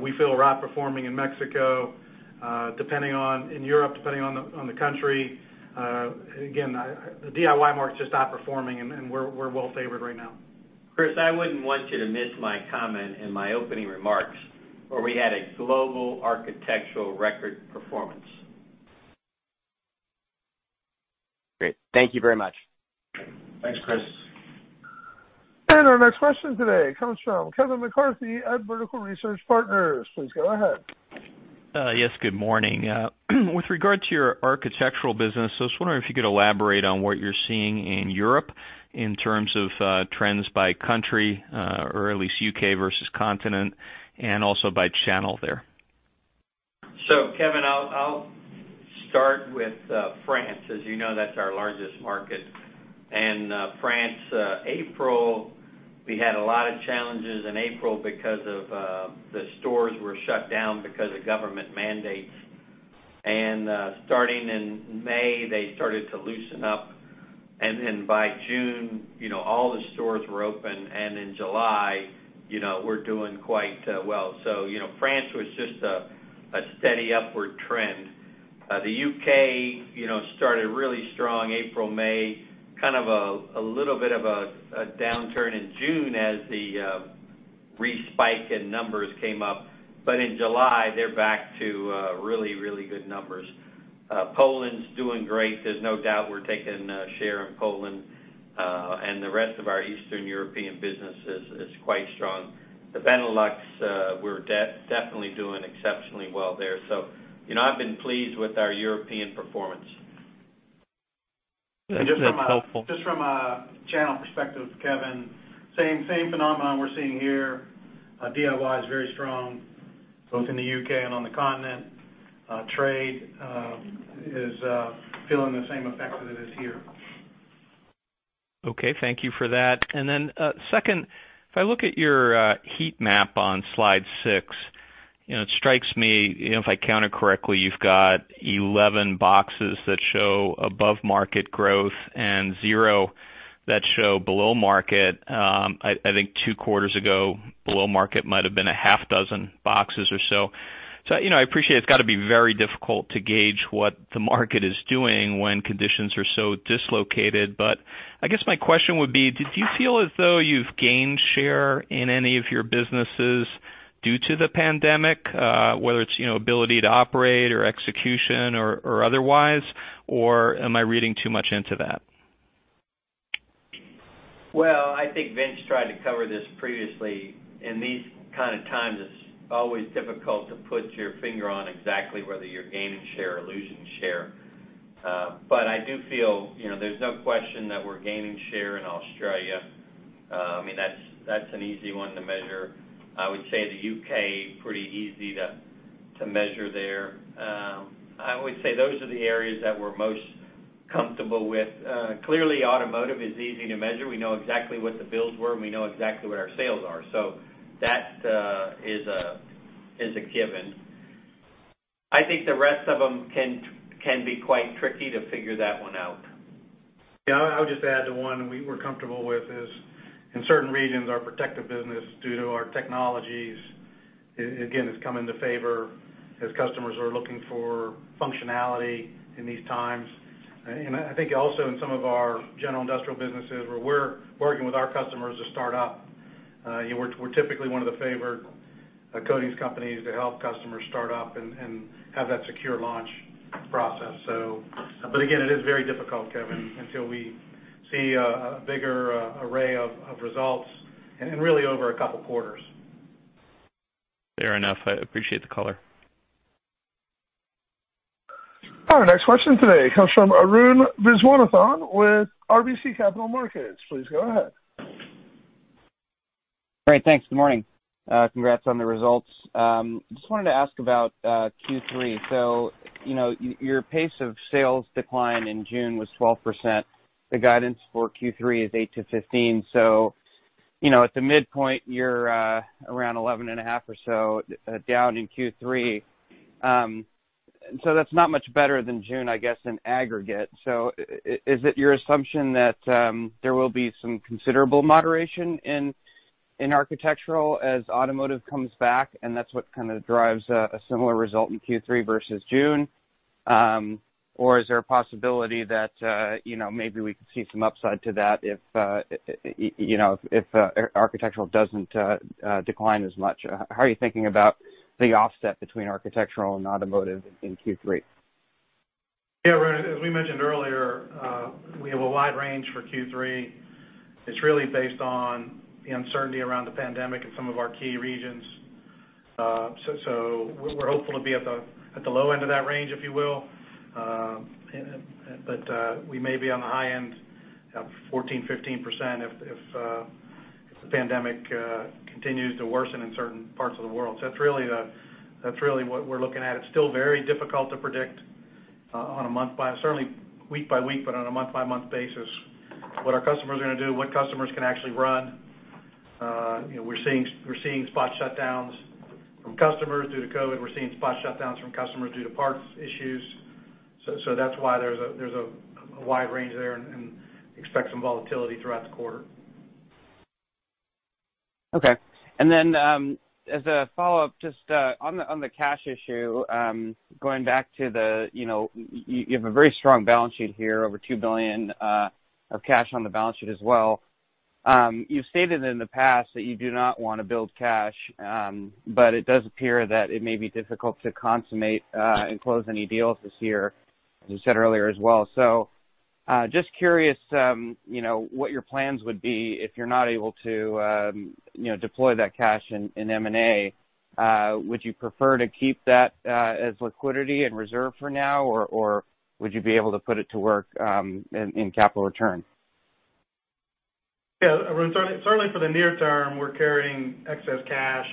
We feel we're outperforming in Mexico. In Europe, depending on the country. Again, the DIY market's just outperforming, and we're well favored right now. Chris, I wouldn't want you to miss my comment in my opening remarks where we had a global architectural record performance. Great. Thank you very much. Thanks, Chris. Our next question today comes from Kevin McCarthy at Vertical Research Partners. Please go ahead. Yes, good morning. With regard to your architectural business, I was wondering if you could elaborate on what you're seeing in Europe in terms of trends by country, or at least U.K. versus continent, and also by channel there? Kevin, I'll start with France. As you know, that's our largest market. France, we had a lot of challenges in April because the stores were shut down because of government mandates. Starting in May, they started to loosen up, by June, all the stores were open, in July, we're doing quite well. France was just a steady upward trend. The U.K. started really strong April, May. Kind of a little bit of a downturn in June as a spike in numbers came up. In July, they're back to really good numbers. Poland's doing great. There's no doubt we're taking a share in Poland, the rest of our Eastern European business is quite strong. The Benelux, we're definitely doing exceptionally well there. I've been pleased with our European performance. That's helpful. Just from a channel perspective, Kevin, same phenomenon we're seeing here. DIY is very strong, both in the U.K. and on the continent. Trade is feeling the same effects that it is here. Okay. Thank you for that. Second, if I look at your heat map on slide six, it strikes me, if I counted correctly, you've got 11 boxes that show above-market growth and zero that show below market. I think two quarters ago, below market might have been a half dozen boxes or so. I appreciate it's got to be very difficult to gauge what the market is doing when conditions are so dislocated. I guess my question would be, did you feel as though you've gained share in any of your businesses due to the pandemic, whether it's ability to operate or execution or otherwise, or am I reading too much into that? Well, I think Vince tried to cover this previously. In these kind of times, it's always difficult to put your finger on exactly whether you're gaining share or losing share. I do feel there's no question that we're gaining share in Australia. That's an easy one to measure. I would say the U.K., pretty easy to measure there. I would say those are the areas that we're most comfortable with. Clearly, automotive is easy to measure. We know exactly what the builds were, and we know exactly what our sales are. That is a given. I think the rest of them can be quite tricky to figure that one out. Yeah, I would just add the one we're comfortable with is, in certain regions, our Protective business, due to our technologies, again, has come into favor as customers are looking for functionality in these times. I think also in some of our general industrial businesses, where we're working with our customers to start up. We're typically one of the favored coatings companies to help customers start up and have that secure launch process. Again, it is very difficult, Kevin, until we see a bigger array of results, and really over a couple of quarters. Fair enough. I appreciate the color. Our next question today comes from Arun Viswanathan with RBC Capital Markets. Please go ahead. Great. Thanks. Good morning. Congrats on the results. Just wanted to ask about Q3. Your pace of sales decline in June was 12%. The guidance for Q3 is 8%-15%. At the midpoint, you're around 11.5% or so down in Q3. That's not much better than June, I guess, in aggregate. Is it your assumption that there will be some considerable moderation in architectural as automotive comes back, and that's what kind of drives a similar result in Q3 versus June? Is there a possibility that maybe we could see some upside to that if architectural doesn't decline as much? How are you thinking about the offset between architectural and automotive in Q3? Yeah, Arun, as we mentioned earlier, we have a wide range for Q3. It's really based on the uncertainty around the pandemic in some of our key regions. We're hopeful to be at the low end of that range, if you will. We may be on the high end, 14%-15%, if the pandemic continues to worsen in certain parts of the world. That's really what we're looking at. It's still very difficult to predict certainly week by week, but on a month-by-month basis, what our customers are going to do, what customers can actually run. We're seeing spot shutdowns from customers due to COVID. We're seeing spot shutdowns from customers due to parts issues. That's why there's a wide range there, and expect some volatility throughout the quarter. Okay. As a follow-up, just on the cash issue, you have a very strong balance sheet here, over $2 billion of cash on the balance sheet as well. You've stated in the past that you do not want to build cash. It does appear that it may be difficult to consummate and close any deals this year, as you said earlier as well. Just curious what your plans would be if you're not able to deploy that cash in M&A. Would you prefer to keep that as liquidity and reserve for now, or would you be able to put it to work in capital return? Yeah, Arun. Certainly for the near term, we're carrying excess cash.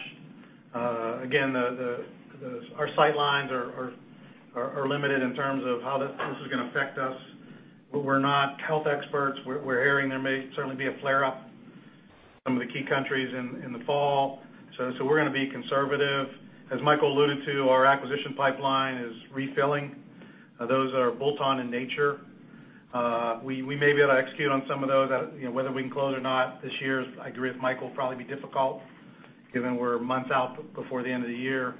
Again, our sight lines are limited in terms of how this is going to affect us, but we're not health experts. We're hearing there may certainly be a flare up in some of the key countries in the fall. We're going to be conservative. As Michael alluded to, our acquisition pipeline is refilling. Those are bolt-on in nature. We may be able to execute on some of those. Whether we can close or not this year, I agree with Michael, probably be difficult given we're months out before the end of the year.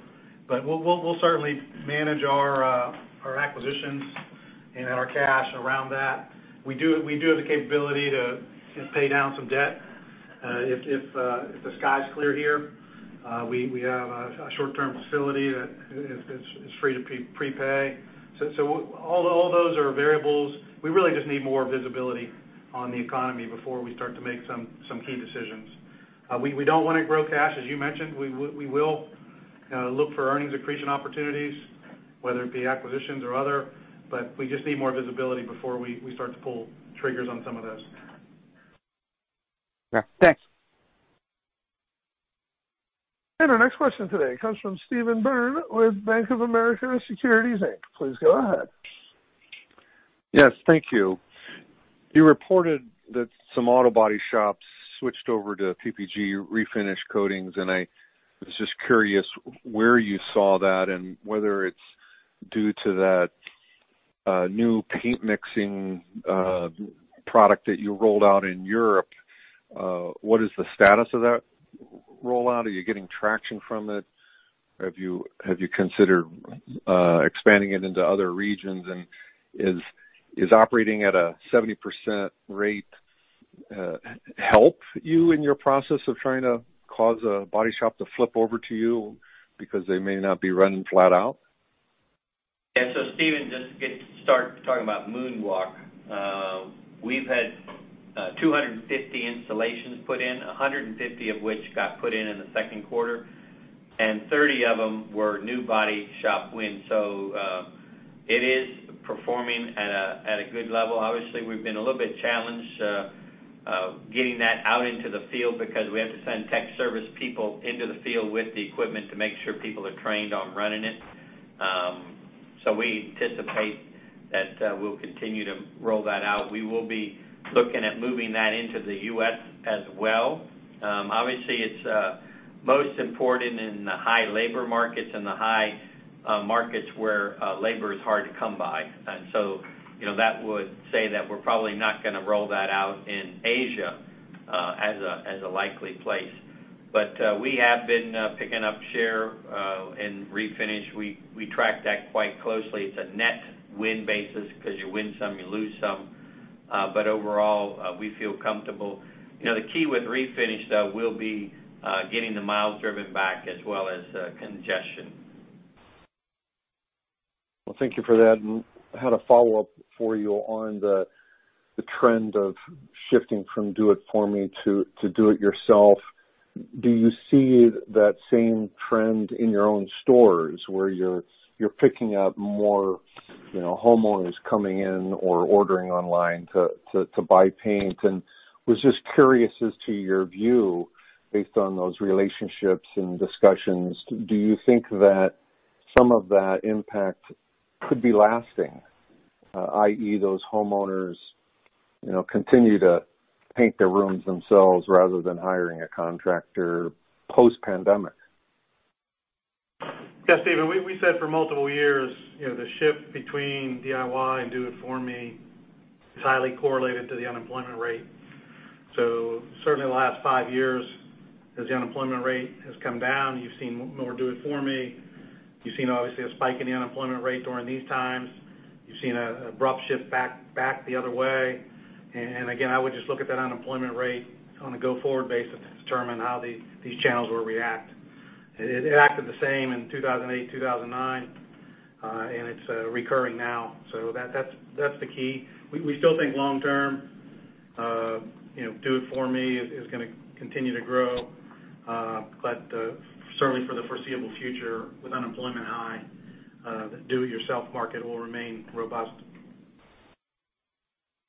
We'll certainly manage our acquisitions and our cash around that. We do have the capability to pay down some debt. If the sky's clear here, we have a short-term facility that is free to prepay. All those are variables. We really just need more visibility on the economy before we start to make some key decisions. We don't want to grow cash, as you mentioned. We will look for earnings accretion opportunities, whether it be acquisitions or other, but we just need more visibility before we start to pull triggers on some of those. Yeah. Thanks. Our next question today comes from Steve Byrne with Bank of America Securities Inc. Please go ahead. Yes, thank you. You reported that some auto body shops switched over to PPG refinish coatings, and I was just curious where you saw that and whether it's due to that new paint mixing product that you rolled out in Europe. What is the status of that rollout? Are you getting traction from it? Have you considered expanding it into other regions? Is operating at a 70% rate help you in your process of trying to cause a body shop to flip over to you because they may not be running flat out? Steven, just to start talking about MoonWalk. We've had 250 installations put in, 150 of which got put in in the second quarter, and 30 of them were new body shop wins. It is performing at a good level. Obviously, we've been a little bit challenged, getting that out into the field because we have to send tech service people into the field with the equipment to make sure people are trained on running it. We anticipate that we'll continue to roll that out. We will be looking at moving that into the U.S. as well. Obviously, it's most important in the high labor markets and the high markets where labor is hard to come by. That would say that we're probably not going to roll that out in Asia, as a likely place. We have been picking up share in refinish. We track that quite closely. It's a net win basis because you win some, you lose some. Overall, we feel comfortable. The key with refinish, though, will be getting the miles driven back as well as congestion. Well, thank you for that. I had a follow-up for you on the trend of shifting from do-it-for-me to do-it-yourself. Do you see that same trend in your own stores where you're picking up more homeowners coming in or ordering online to buy paint? I was just curious as to your view based on those relationships and discussions, do you think that some of that impact could be lasting? I.e., those homeowners continue to paint their rooms themselves rather than hiring a contractor post-pandemic. Steven, we said for multiple years, the shift between DIY and do-it-for-me is highly correlated to the unemployment rate. Certainly the last five years as the unemployment rate has come down, you've seen more do-it-for-me. You've seen, obviously, a spike in the unemployment rate during these times. You've seen an abrupt shift back the other way. Again, I would just look at that unemployment rate on a go-forward basis to determine how these channels will react. It acted the same in 2008, 2009, and it's recurring now. That's the key. We still think long term, do-it-for-me is going to continue to grow. Certainly for the foreseeable future, with unemployment high, the do-it-yourself market will remain robust.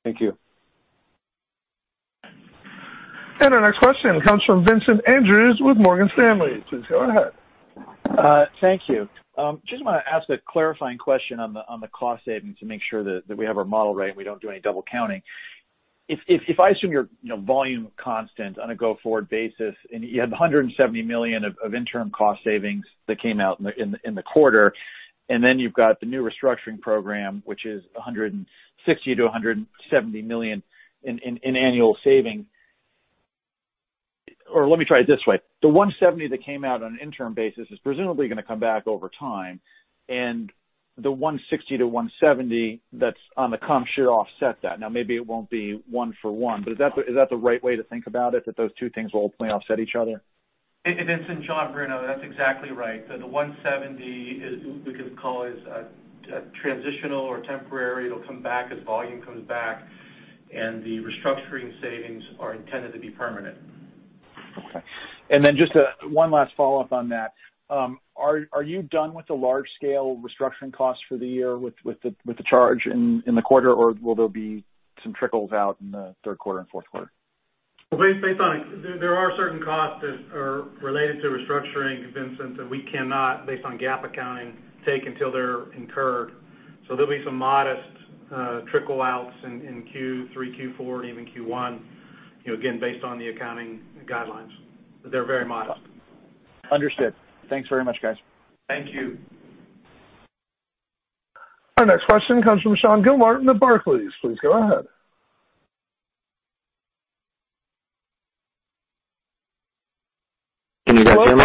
Thank you. Our next question comes from Vincent Andrews with Morgan Stanley. Please go ahead. Thank you. Just want to ask a clarifying question on the cost savings to make sure that we have our model right and we don't do any double counting. If I assume your volume constant on a go-forward basis, and you have the $170 million of interim cost savings that came out in the quarter, and then you've got the new restructuring program, which is $160 million to $170 million in annual saving. Let me try it this way. The $170 million that came out on an interim basis is presumably going to come back over time, and the $160 million to $170 million that's on the come should offset that. Now, maybe it won't be one for one, but is that the right way to think about it, that those two things will hopefully offset each other? Hey, Vincent, John Bruno. That's exactly right. The $170, we could call it, is a transitional or temporary. The restructuring savings are intended to be permanent. Okay. Just one last follow-up on that. Are you done with the large-scale restructuring costs for the year with the charge in the quarter, or will there be some trickles out in the third quarter and fourth quarter? Well, based on it, there are certain costs that are related to restructuring, Vincent, that we cannot, based on GAAP accounting, take until they're incurred. There'll be some modest trickle-outs in Q3, Q4, and even Q1. Again, based on the accounting guidelines. They're very modest. Understood. Thanks very much, guys. Thank you. Our next question comes from Sean Gilmartin at Barclays. Please go ahead. Can you guys hear me?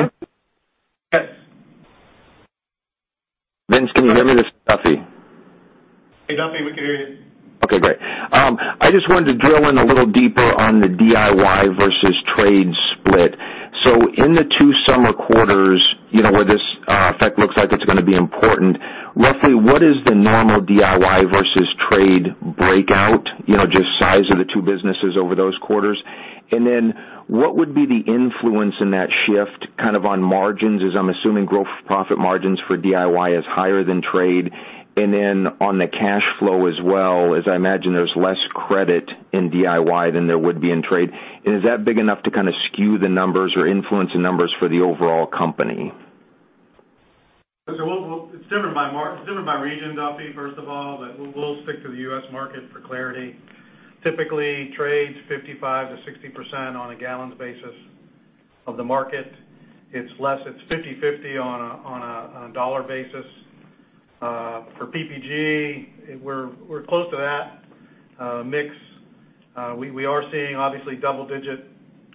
Yes. Vince, can you hear me? This is Duffy. Hey, Duffy, we can hear you. Okay, great. I just wanted to drill in a little deeper on the DIY versus trade split. In the two summer quarters, where this effect looks like it's going to be important, roughly what is the normal DIY versus trade breakout? Just size of the two businesses over those quarters. What would be the influence in that shift on margins, as I'm assuming gross profit margins for DIY is higher than trade, and then on the cash flow as well, as I imagine there's less credit in DIY than there would be in trade. Is that big enough to kind of skew the numbers or influence the numbers for the overall company? It's different by region, Duffy, first of all, but we'll stick to the U.S. market for clarity. Typically, trade's 55%-60% on a gallons basis of the market. It's less, it's 50/50 on a dollar basis. For PPG, we're close to that mix. We are seeing, obviously, double-digit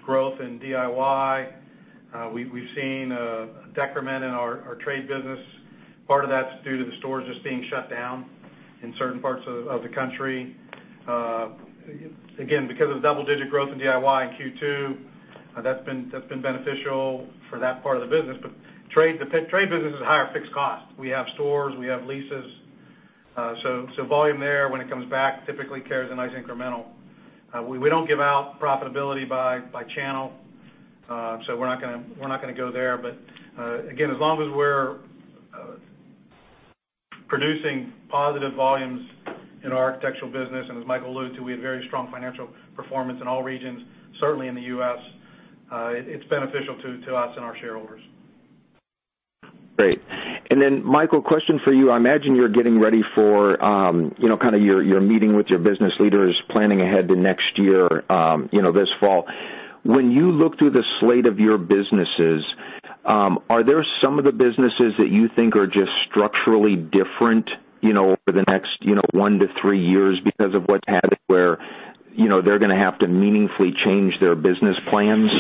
growth in DIY. We've seen a decrement in our trade business. Part of that's due to the stores just being shut down in certain parts of the country. Again, because of double-digit growth in DIY in Q2, that's been beneficial for that part of the business. Trade business is a higher fixed cost. We have stores, we have leases. Volume there, when it comes back, typically carries a nice incremental. We don't give out profitability by channel. We're not going to go there. Again, as long as we're producing positive volumes in our architectural business, and as Michael alluded to, we have very strong financial performance in all regions, certainly in the U.S., it's beneficial to us and our shareholders. Great. Michael, question for you. I imagine you're getting ready for your meeting with your business leaders, planning ahead to next year, this fall. When you look through the slate of your businesses, are there some of the businesses that you think are just structurally different over the next one to three years because of what's happening, where they're going to have to meaningfully change their business plans?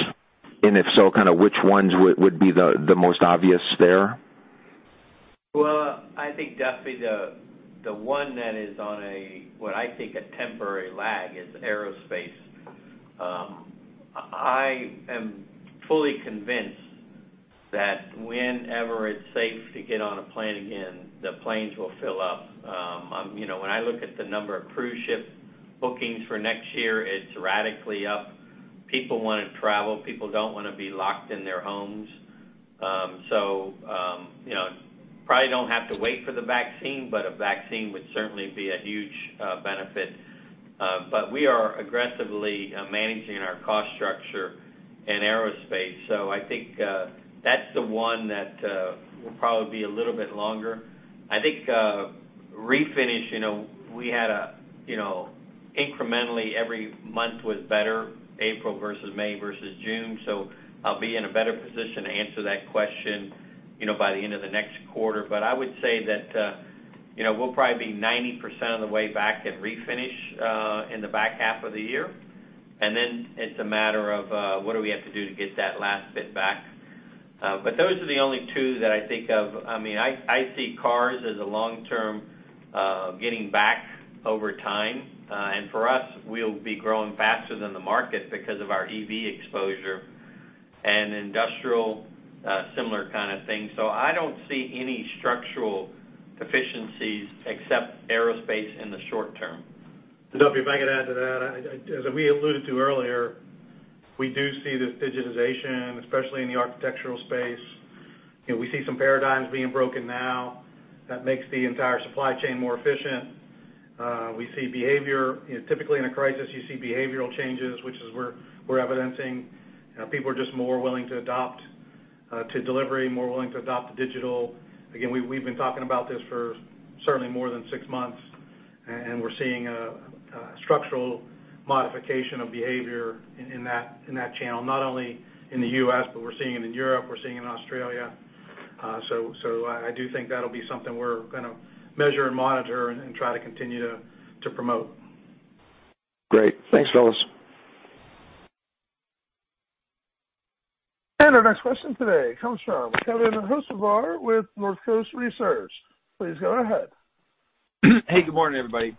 If so, which ones would be the most obvious there? Well, I think, Duffy, the one that is on a, what I think a temporary lag, is aerospace. I am fully convinced that whenever it's safe to get on a plane again, the planes will fill up. When I look at the number of cruise ship bookings for next year, it's radically up. People want to travel. People don't want to be locked in their homes. Probably don't have to wait for the vaccine, but a vaccine would certainly be a huge benefit. We are aggressively managing our cost structure in aerospace. I think that's the one that will probably be a little bit longer. I think Refinish, incrementally every month was better, April versus May versus June. I'll be in a better position to answer that question by the end of the next quarter. I would say that we'll probably be 90% of the way back at refinish in the back half of the year. Then it's a matter of what do we have to do to get that last bit back? Those are the only two that I think of. I see cars as a long-term getting back over time. For us, we'll be growing faster than the market because of our EV exposure, and industrial similar kind of thing. I don't see any structural deficiencies except aerospace in the short term. Duffy, if I could add to that. As we alluded to earlier, we do see this digitization, especially in the architectural space. We see some paradigms being broken now that makes the entire supply chain more efficient. Typically in a crisis, you see behavioral changes, which is we're evidencing. People are just more willing to adopt to delivery, more willing to adopt to digital. We've been talking about this for certainly more than six months, and we're seeing a structural modification of behavior in that channel, not only in the U.S., but we're seeing it in Europe, we're seeing it in Australia. I do think that'll be something we're going to measure and monitor and try to continue to promote. Great. Thanks, fellas. Our next question today comes from Kevin Hocevar with Northcoast Research. Please go ahead. Hey, good morning, everybody.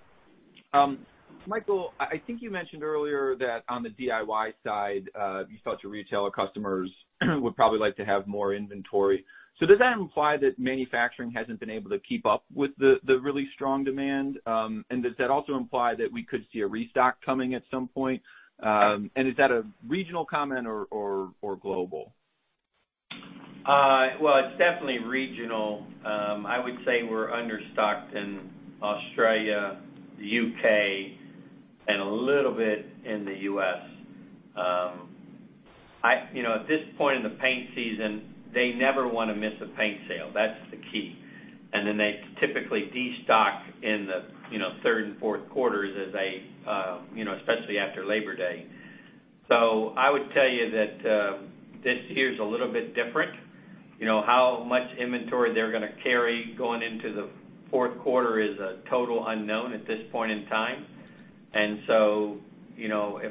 Michael, I think you mentioned earlier that on the DIY side, you thought your retailer customers would probably like to have more inventory. Does that imply that manufacturing hasn't been able to keep up with the really strong demand? Does that also imply that we could see a restock coming at some point? Is that a regional comment or global? Well, it's definitely regional. I would say we're understocked in Australia, the U.K., and a little bit in the U.S. At this point in the paint season, they never want to miss a paint sale. That's the key. They typically destock in the third and fourth quarters, especially after Labor Day. I would tell you that this year's a little bit different. How much inventory they're going to carry going into the fourth quarter is a total unknown at this point in time.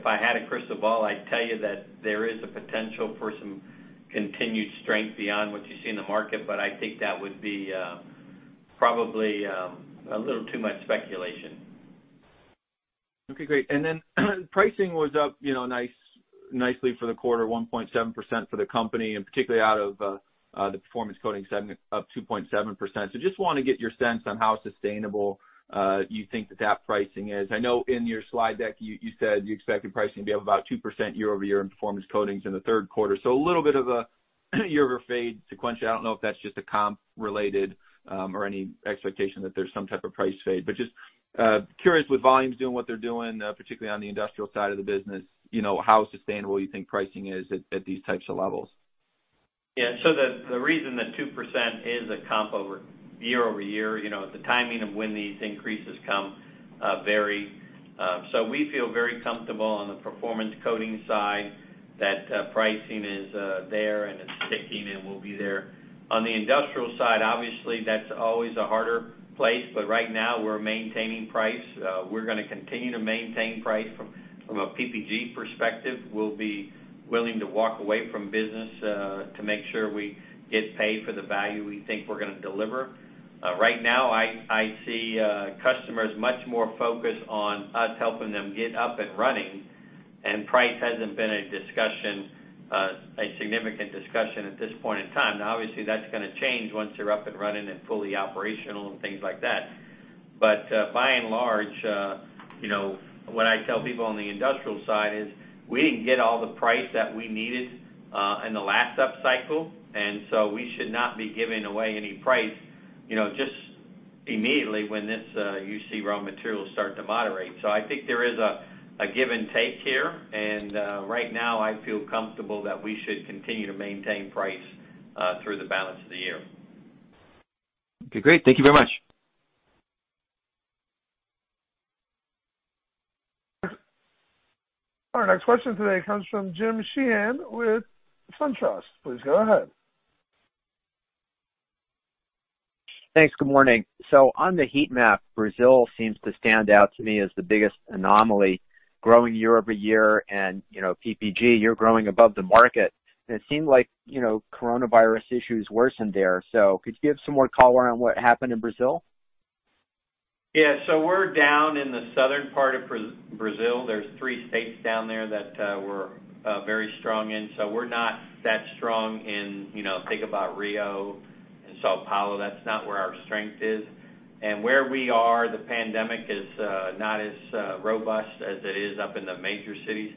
If I had a crystal ball, I'd tell you that there is a potential for some continued strength beyond what you see in the market, but I think that would be probably a little too much speculation. Okay, great. Pricing was up nicely for the quarter, 1.7% for the company, and particularly out of the Performance Coatings segment, up 2.7%. Just want to get your sense on how sustainable you think that pricing is. I know in your slide deck, you said you expected pricing to be up about 2% year-over-year in Performance Coatings in the third quarter. A little bit of a year over fade sequential. I don't know if that's just a comp related, or any expectation that there's some type of price fade, but just curious with volumes doing what they're doing, particularly on the industrial side of the business, how sustainable you think pricing is at these types of levels? Yeah. The reason that 2% is a comp over year-over-year, the timing of when these increases come vary. We feel very comfortable on the Performance Coatings side that pricing is there, and it's sticking, and will be there. On the industrial side, obviously, that's always a harder place, but right now we're maintaining price. We're gonna continue to maintain price from a PPG perspective. We'll be willing to walk away from business to make sure we get paid for the value we think we're gonna deliver. Right now, I see customers much more focused on us helping them get up and running, and price hasn't been a significant discussion at this point in time. Now, obviously, that's gonna change once you're up and running and fully operational and things like that. By and large, what I tell people on the industrial side is we didn't get all the price that we needed in the last upcycle, we should not be giving away any price just immediately when you see raw materials start to moderate. I think there is a give and take here, and right now, I feel comfortable that we should continue to maintain price through the balance of the year. Okay, great. Thank you very much. Our next question today comes from Jim Sheehan with SunTrust. Please go ahead. Thanks. Good morning. On the heat map, Brazil seems to stand out to me as the biggest anomaly, growing year-over-year, and PPG, you're growing above the market. It seemed like coronavirus issues worsened there. Could you give some more color on what happened in Brazil? Yeah. We're down in the southern part of Brazil. There's three states down there that we're very strong in. We're not that strong in, think about Rio and São Paulo. That's not where our strength is. Where we are, the pandemic is not as robust as it is up in the major cities.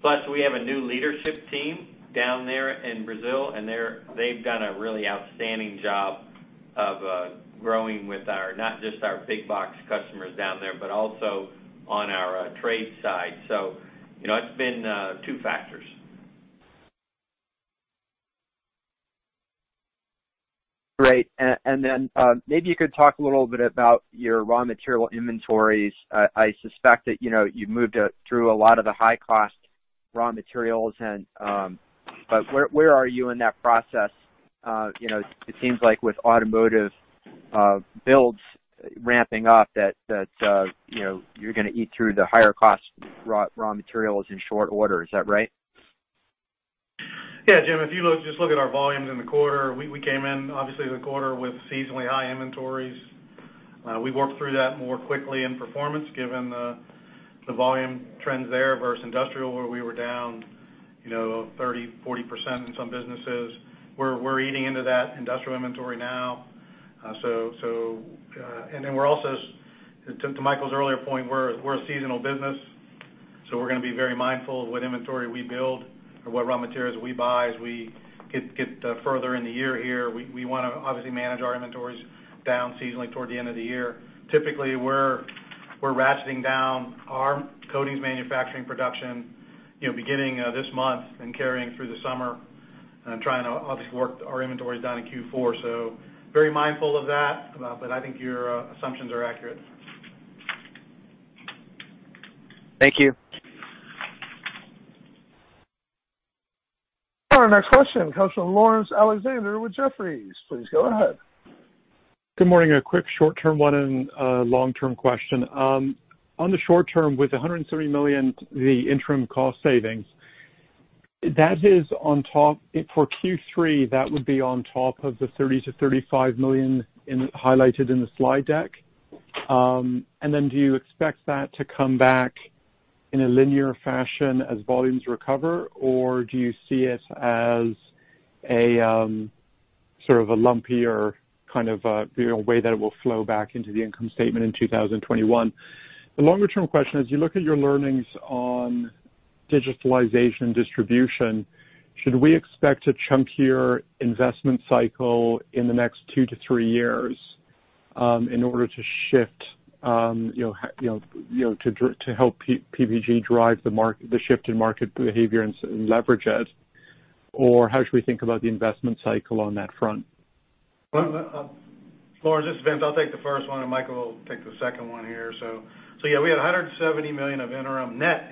Plus, we have a new leadership team down there in Brazil, and they've done a really outstanding job of growing with not just our big box customers down there, but also on our trade side. It's been two factors. Great. Maybe you could talk a little bit about your raw material inventories. I suspect that you moved through a lot of the high-cost raw materials, but where are you in that process? It seems like with automotive builds ramping up, that you're gonna eat through the higher cost raw materials in short order. Is that right? Yeah, Jim, if you just look at our volumes in the quarter, we came in, obviously, the quarter with seasonally high inventories. We worked through that more quickly in Performance, given the volume trends there versus Industrial, where we were down 30, 40% in some businesses. We're eating into that industrial inventory now. We're also, to Michael's earlier point, we're a seasonal business. We're gonna be very mindful of what inventory we build or what raw materials we buy as we get further in the year here. We wanna obviously manage our inventories down seasonally toward the end of the year. Typically, we're ratcheting down our coatings manufacturing production beginning this month and carrying through the summer and trying to obviously work our inventories down in Q4. Very mindful of that, but I think your assumptions are accurate. Thank you. Our next question comes from Laurence Alexander with Jefferies. Please go ahead. Good morning. A quick short-term one and a long-term question. On the short term, with $170 million, the interim cost savings, for Q3, that would be on top of the $30 million-$35 million highlighted in the slide deck? Do you expect that to come back in a linear fashion as volumes recover, or do you see it as sort of a lumpier kind of way that it will flow back into the income statement in 2021? The longer-term question is, you look at your learnings on digitalization distribution. Should we expect a chunkier investment cycle in the next two to three years in order to help PPG drive the shift in market behavior and leverage it, or how should we think about the investment cycle on that front? Laurence, this is Vince. I'll take the first one, and Michael will take the second one here. Yeah, we had $170 million of interim net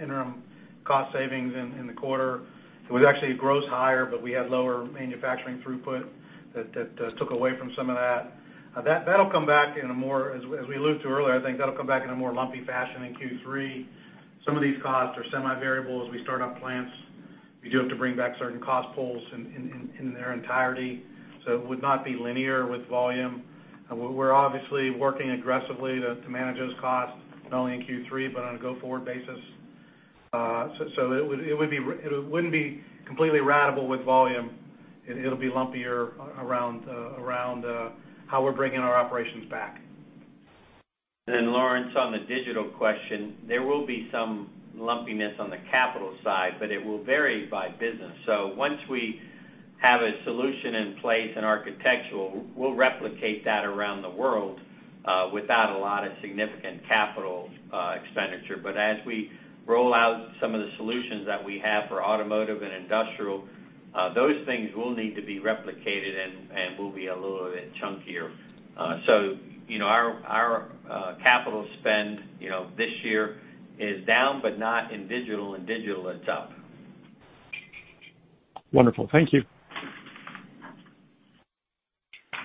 cost savings in the quarter. It was actually gross higher, but we had lower manufacturing throughput that took away from some of that. As we alluded to earlier, I think that'll come back in a more lumpy fashion in Q3. Some of these costs are semi-variable. As we start up plants, we do have to bring back certain cost pools in their entirety, so it would not be linear with volume. We're obviously working aggressively to manage those costs, not only in Q3, but on a go-forward basis. It wouldn't be completely ratable with volume. It'll be lumpier around how we're bringing our operations back. Laurence, on the digital question, there will be some lumpiness on the capital side, but it will vary by business. Once we have a solution in place, an architectural, we'll replicate that around the world, without a lot of significant capital expenditure. As we roll out some of the solutions that we have for automotive and industrial, those things will need to be replicated and will be a little bit chunkier. Our capital spend this year is down, but not in digital. In digital, it's up. Wonderful. Thank you.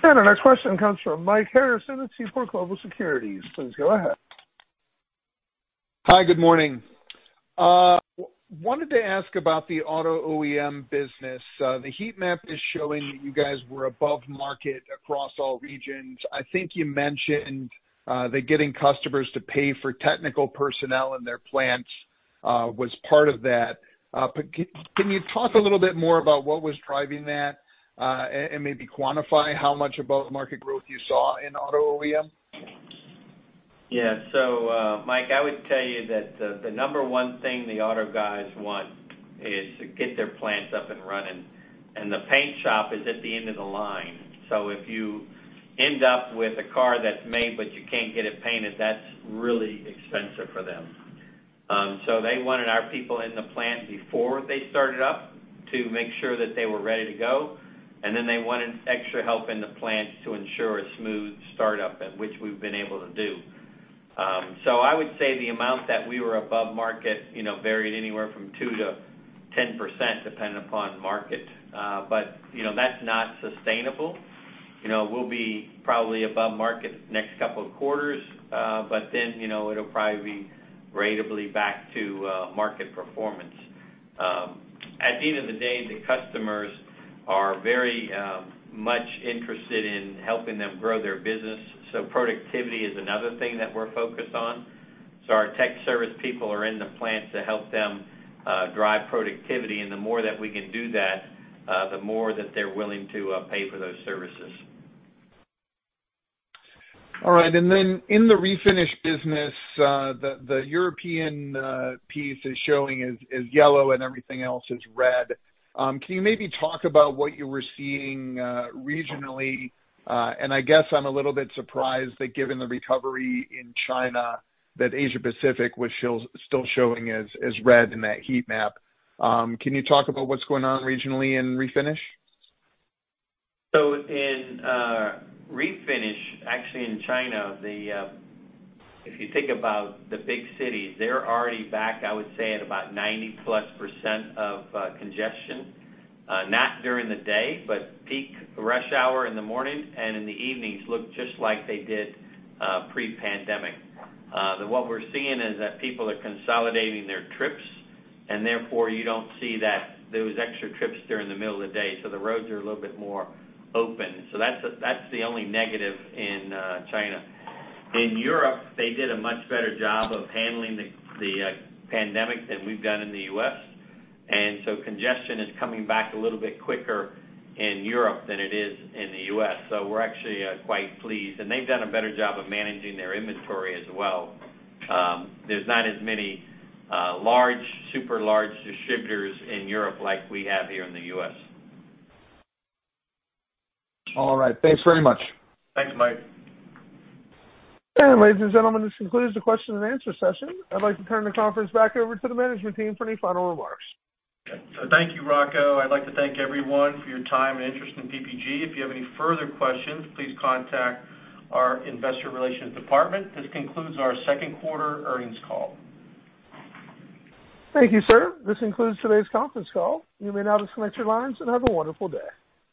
Our next question comes from Mike Harrison at Seaport Global Securities. Please go ahead. Hi, good morning. I wanted to ask about the auto OEM business. The heat map is showing that you guys were above market across all regions. I think you mentioned that getting customers to pay for technical personnel in their plants was part of that. Can you talk a little bit more about what was driving that, and maybe quantify how much above market growth you saw in auto OEM? Yeah. Mike, I would tell you that the number one thing the auto guys want is to get their plants up and running, and the paint shop is at the end of the line. If you end up with a car that's made, but you can't get it painted, that's really expensive for them. They wanted our people in the plant before they started up to make sure that they were ready to go, and then they wanted extra help in the plant to ensure a smooth startup, which we've been able to do. I would say the amount that we were above market varied anywhere from 2% to 10%, depending upon market. That's not sustainable. We'll be probably above market the next couple of quarters, but then it'll probably be ratably back to market performance. At the end of the day, the customers are very much interested in helping them grow their business. Productivity is another thing that we're focused on. Our tech service people are in the plant to help them drive productivity, and the more that we can do that, the more that they're willing to pay for those services. All right. In the refinish business, the European piece is showing as yellow and everything else is red. Can you maybe talk about what you were seeing regionally? I guess I'm a little bit surprised that given the recovery in China, that Asia Pacific was still showing as red in that heat map. Can you talk about what's going on regionally in refinish? In refinish, actually in China, if you think about the big cities, they're already back, I would say, at about 90-plus % of congestion. Not during the day, but peak rush hour in the morning and in the evenings look just like they did pre-pandemic. What we're seeing is that people are consolidating their trips and therefore you don't see those extra trips during the middle of the day, the roads are a little bit more open. That's the only negative in China. In Europe, they did a much better job of handling the pandemic than we've done in the U.S., congestion is coming back a little bit quicker in Europe than it is in the U.S. We're actually quite pleased. They've done a better job of managing their inventory as well. There's not as many large, super large distributors in Europe like we have here in the U.S. All right. Thanks very much. Thanks, Mike. Ladies and gentlemen, this concludes the question and answer session. I’d like to turn the conference back over to the management team for any final remarks. Thank you, Rocco. I'd like to thank everyone for your time and interest in PPG. If you have any further questions, please contact our investor relations department. This concludes our second quarter earnings call. Thank you, sir. This concludes today's conference call. You may now disconnect your lines and have a wonderful day.